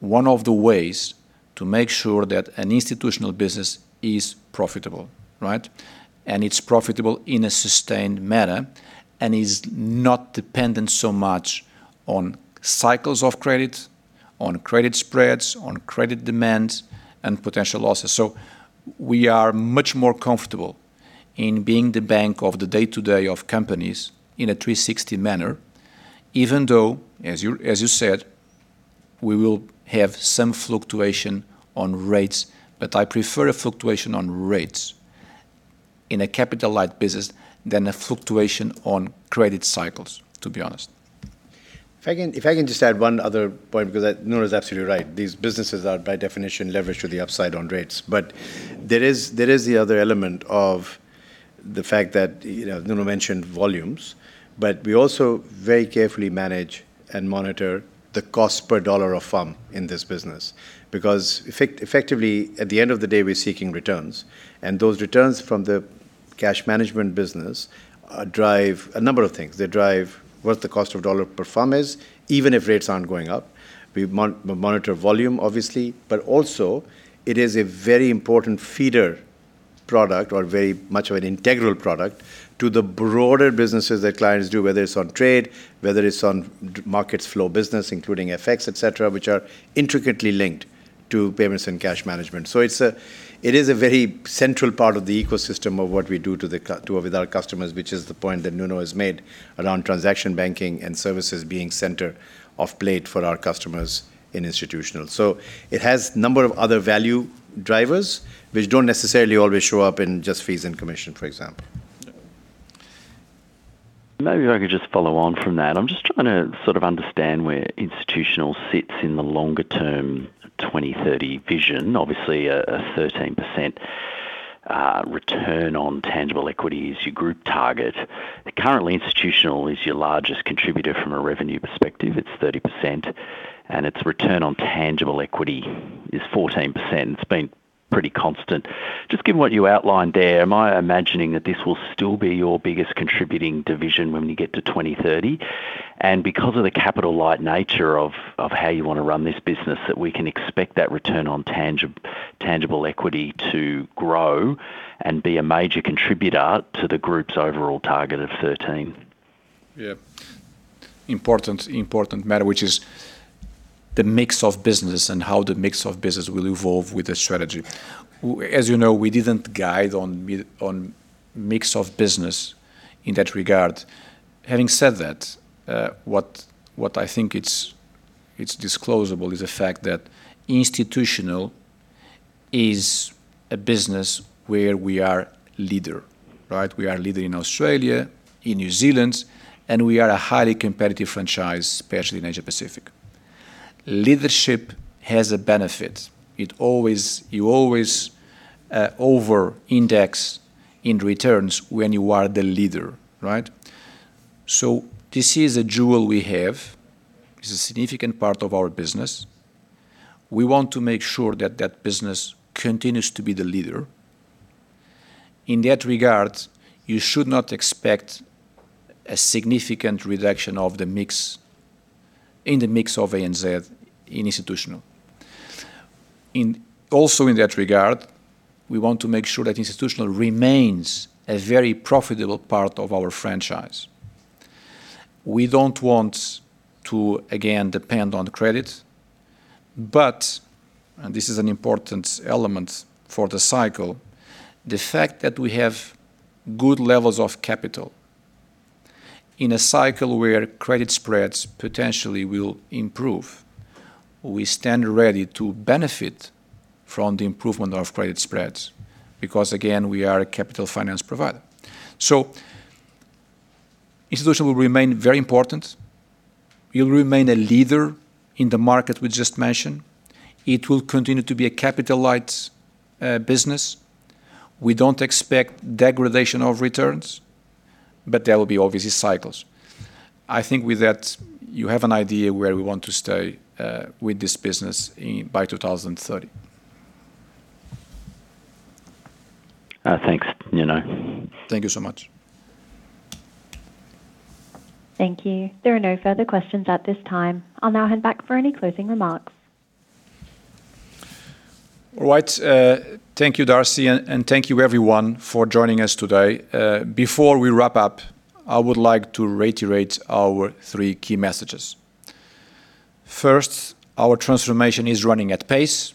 one of the ways to make sure that an institutional business is profitable, right? It's profitable in a sustained manner and is not dependent so much on cycles of credit, on credit spreads, on credit demand, and potential losses. We are much more comfortable in being the bank of the day-to-day of companies in a 360 manner, even though, as you said, we will have some fluctuation on rates. I prefer a fluctuation on rates in a capital light business than a fluctuation on credit cycles, to be honest. If I can just add one other point, because that Nuno is absolutely right. These businesses are by definition leveraged to the upside on rates. There is the other element of the fact that, you know, Nuno mentioned volumes, but we also very carefully manage and monitor the cost per dollar of FUM in this business. Effectively, at the end of the day, we're seeking returns. Those returns from the cash management business drive a number of things. They drive what the cost of dollar per FUM is, even if rates aren't going up. We monitor volume, obviously, but also it is a very important feeder product or very much of an integral product to the broader businesses that clients do, whether it is on trade, whether it is on markets flow business, including FX, et cetera, which are intricately linked to payments and cash management. It is a very central part of the ecosystem of what we do to with our customers, which is the point that Nuno has made around transaction banking and services being center of plate for our customers in Institutional. It has number of other value drivers which don't necessarily always show up in just fees and commission, for example. Maybe if I could just follow on from that. I'm just trying to sort of understand where Institutional sits in the longer term 2030 vision. Obviously a 13% return on tangible equity is your Group target. Currently, Institutional is your largest contributor from a revenue perspective. It's 30%, and its return on tangible equity is 14%. It's been pretty constant. Just given what you outlined there, am I imagining that this will still be your biggest contributing division when we get to 2030? Because of the capital light nature of how you want to run this business, that we can expect that return on tangible equity to grow and be a major contributor to the Group's overall target of 13%? Important matter, which is the mix of business and how the mix of business will evolve with the strategy. As you know, we didn't guide on mix of business in that regard. Having said that, what I think it's disclosable is the fact that Institutional is a business where we are leader, right? We are leader in Australia, in New Zealand, and we are a highly competitive franchise, especially in Asia Pacific. Leadership has a benefit. It always, you always over-index in returns when you are the leader, right? This is a jewel we have. It's a significant part of our business. We want to make sure that that business continues to be the leader. In that regard, you should not expect a significant reduction of the mix of ANZ in Institutional. Also in that regard, we want to make sure that Institutional remains a very profitable part of our franchise. We don't want to, again, depend on credit, but, and this is an important element for the cycle, the fact that we have good levels of capital in a cycle where credit spreads potentially will improve. We stand ready to benefit from the improvement of credit spreads because, again, we are a capital finance provider. Institutional will remain very important. We'll remain a leader in the market we just mentioned. It will continue to be a capital light business. We don't expect degradation of returns, but there will be obviously cycles. I think with that, you have an idea where we want to stay with this business in, by 2030. Thanks, Nuno. Thank you so much. Thank you. There are no further questions at this time. I'll now hand back for any closing remarks. All right. Thank you, Darcy, and thank you everyone for joining us today. Before we wrap up, I would like to reiterate our three key messages. First, our transformation is running at pace,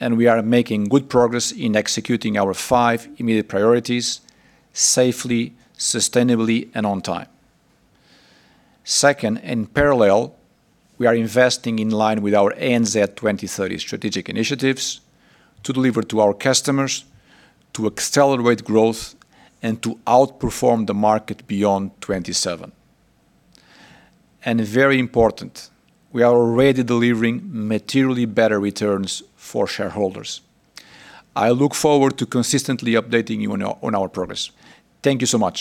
and we are making good progress in executing our five immediate priorities safely, sustainably, and on time. Second, in parallel, we are investing in line with our ANZ 2030 strategic initiatives to deliver to our customers, to accelerate growth, and to outperform the market beyond 2027. Very important, we are already delivering materially better returns for shareholders. I look forward to consistently updating you on our progress. Thank you so much.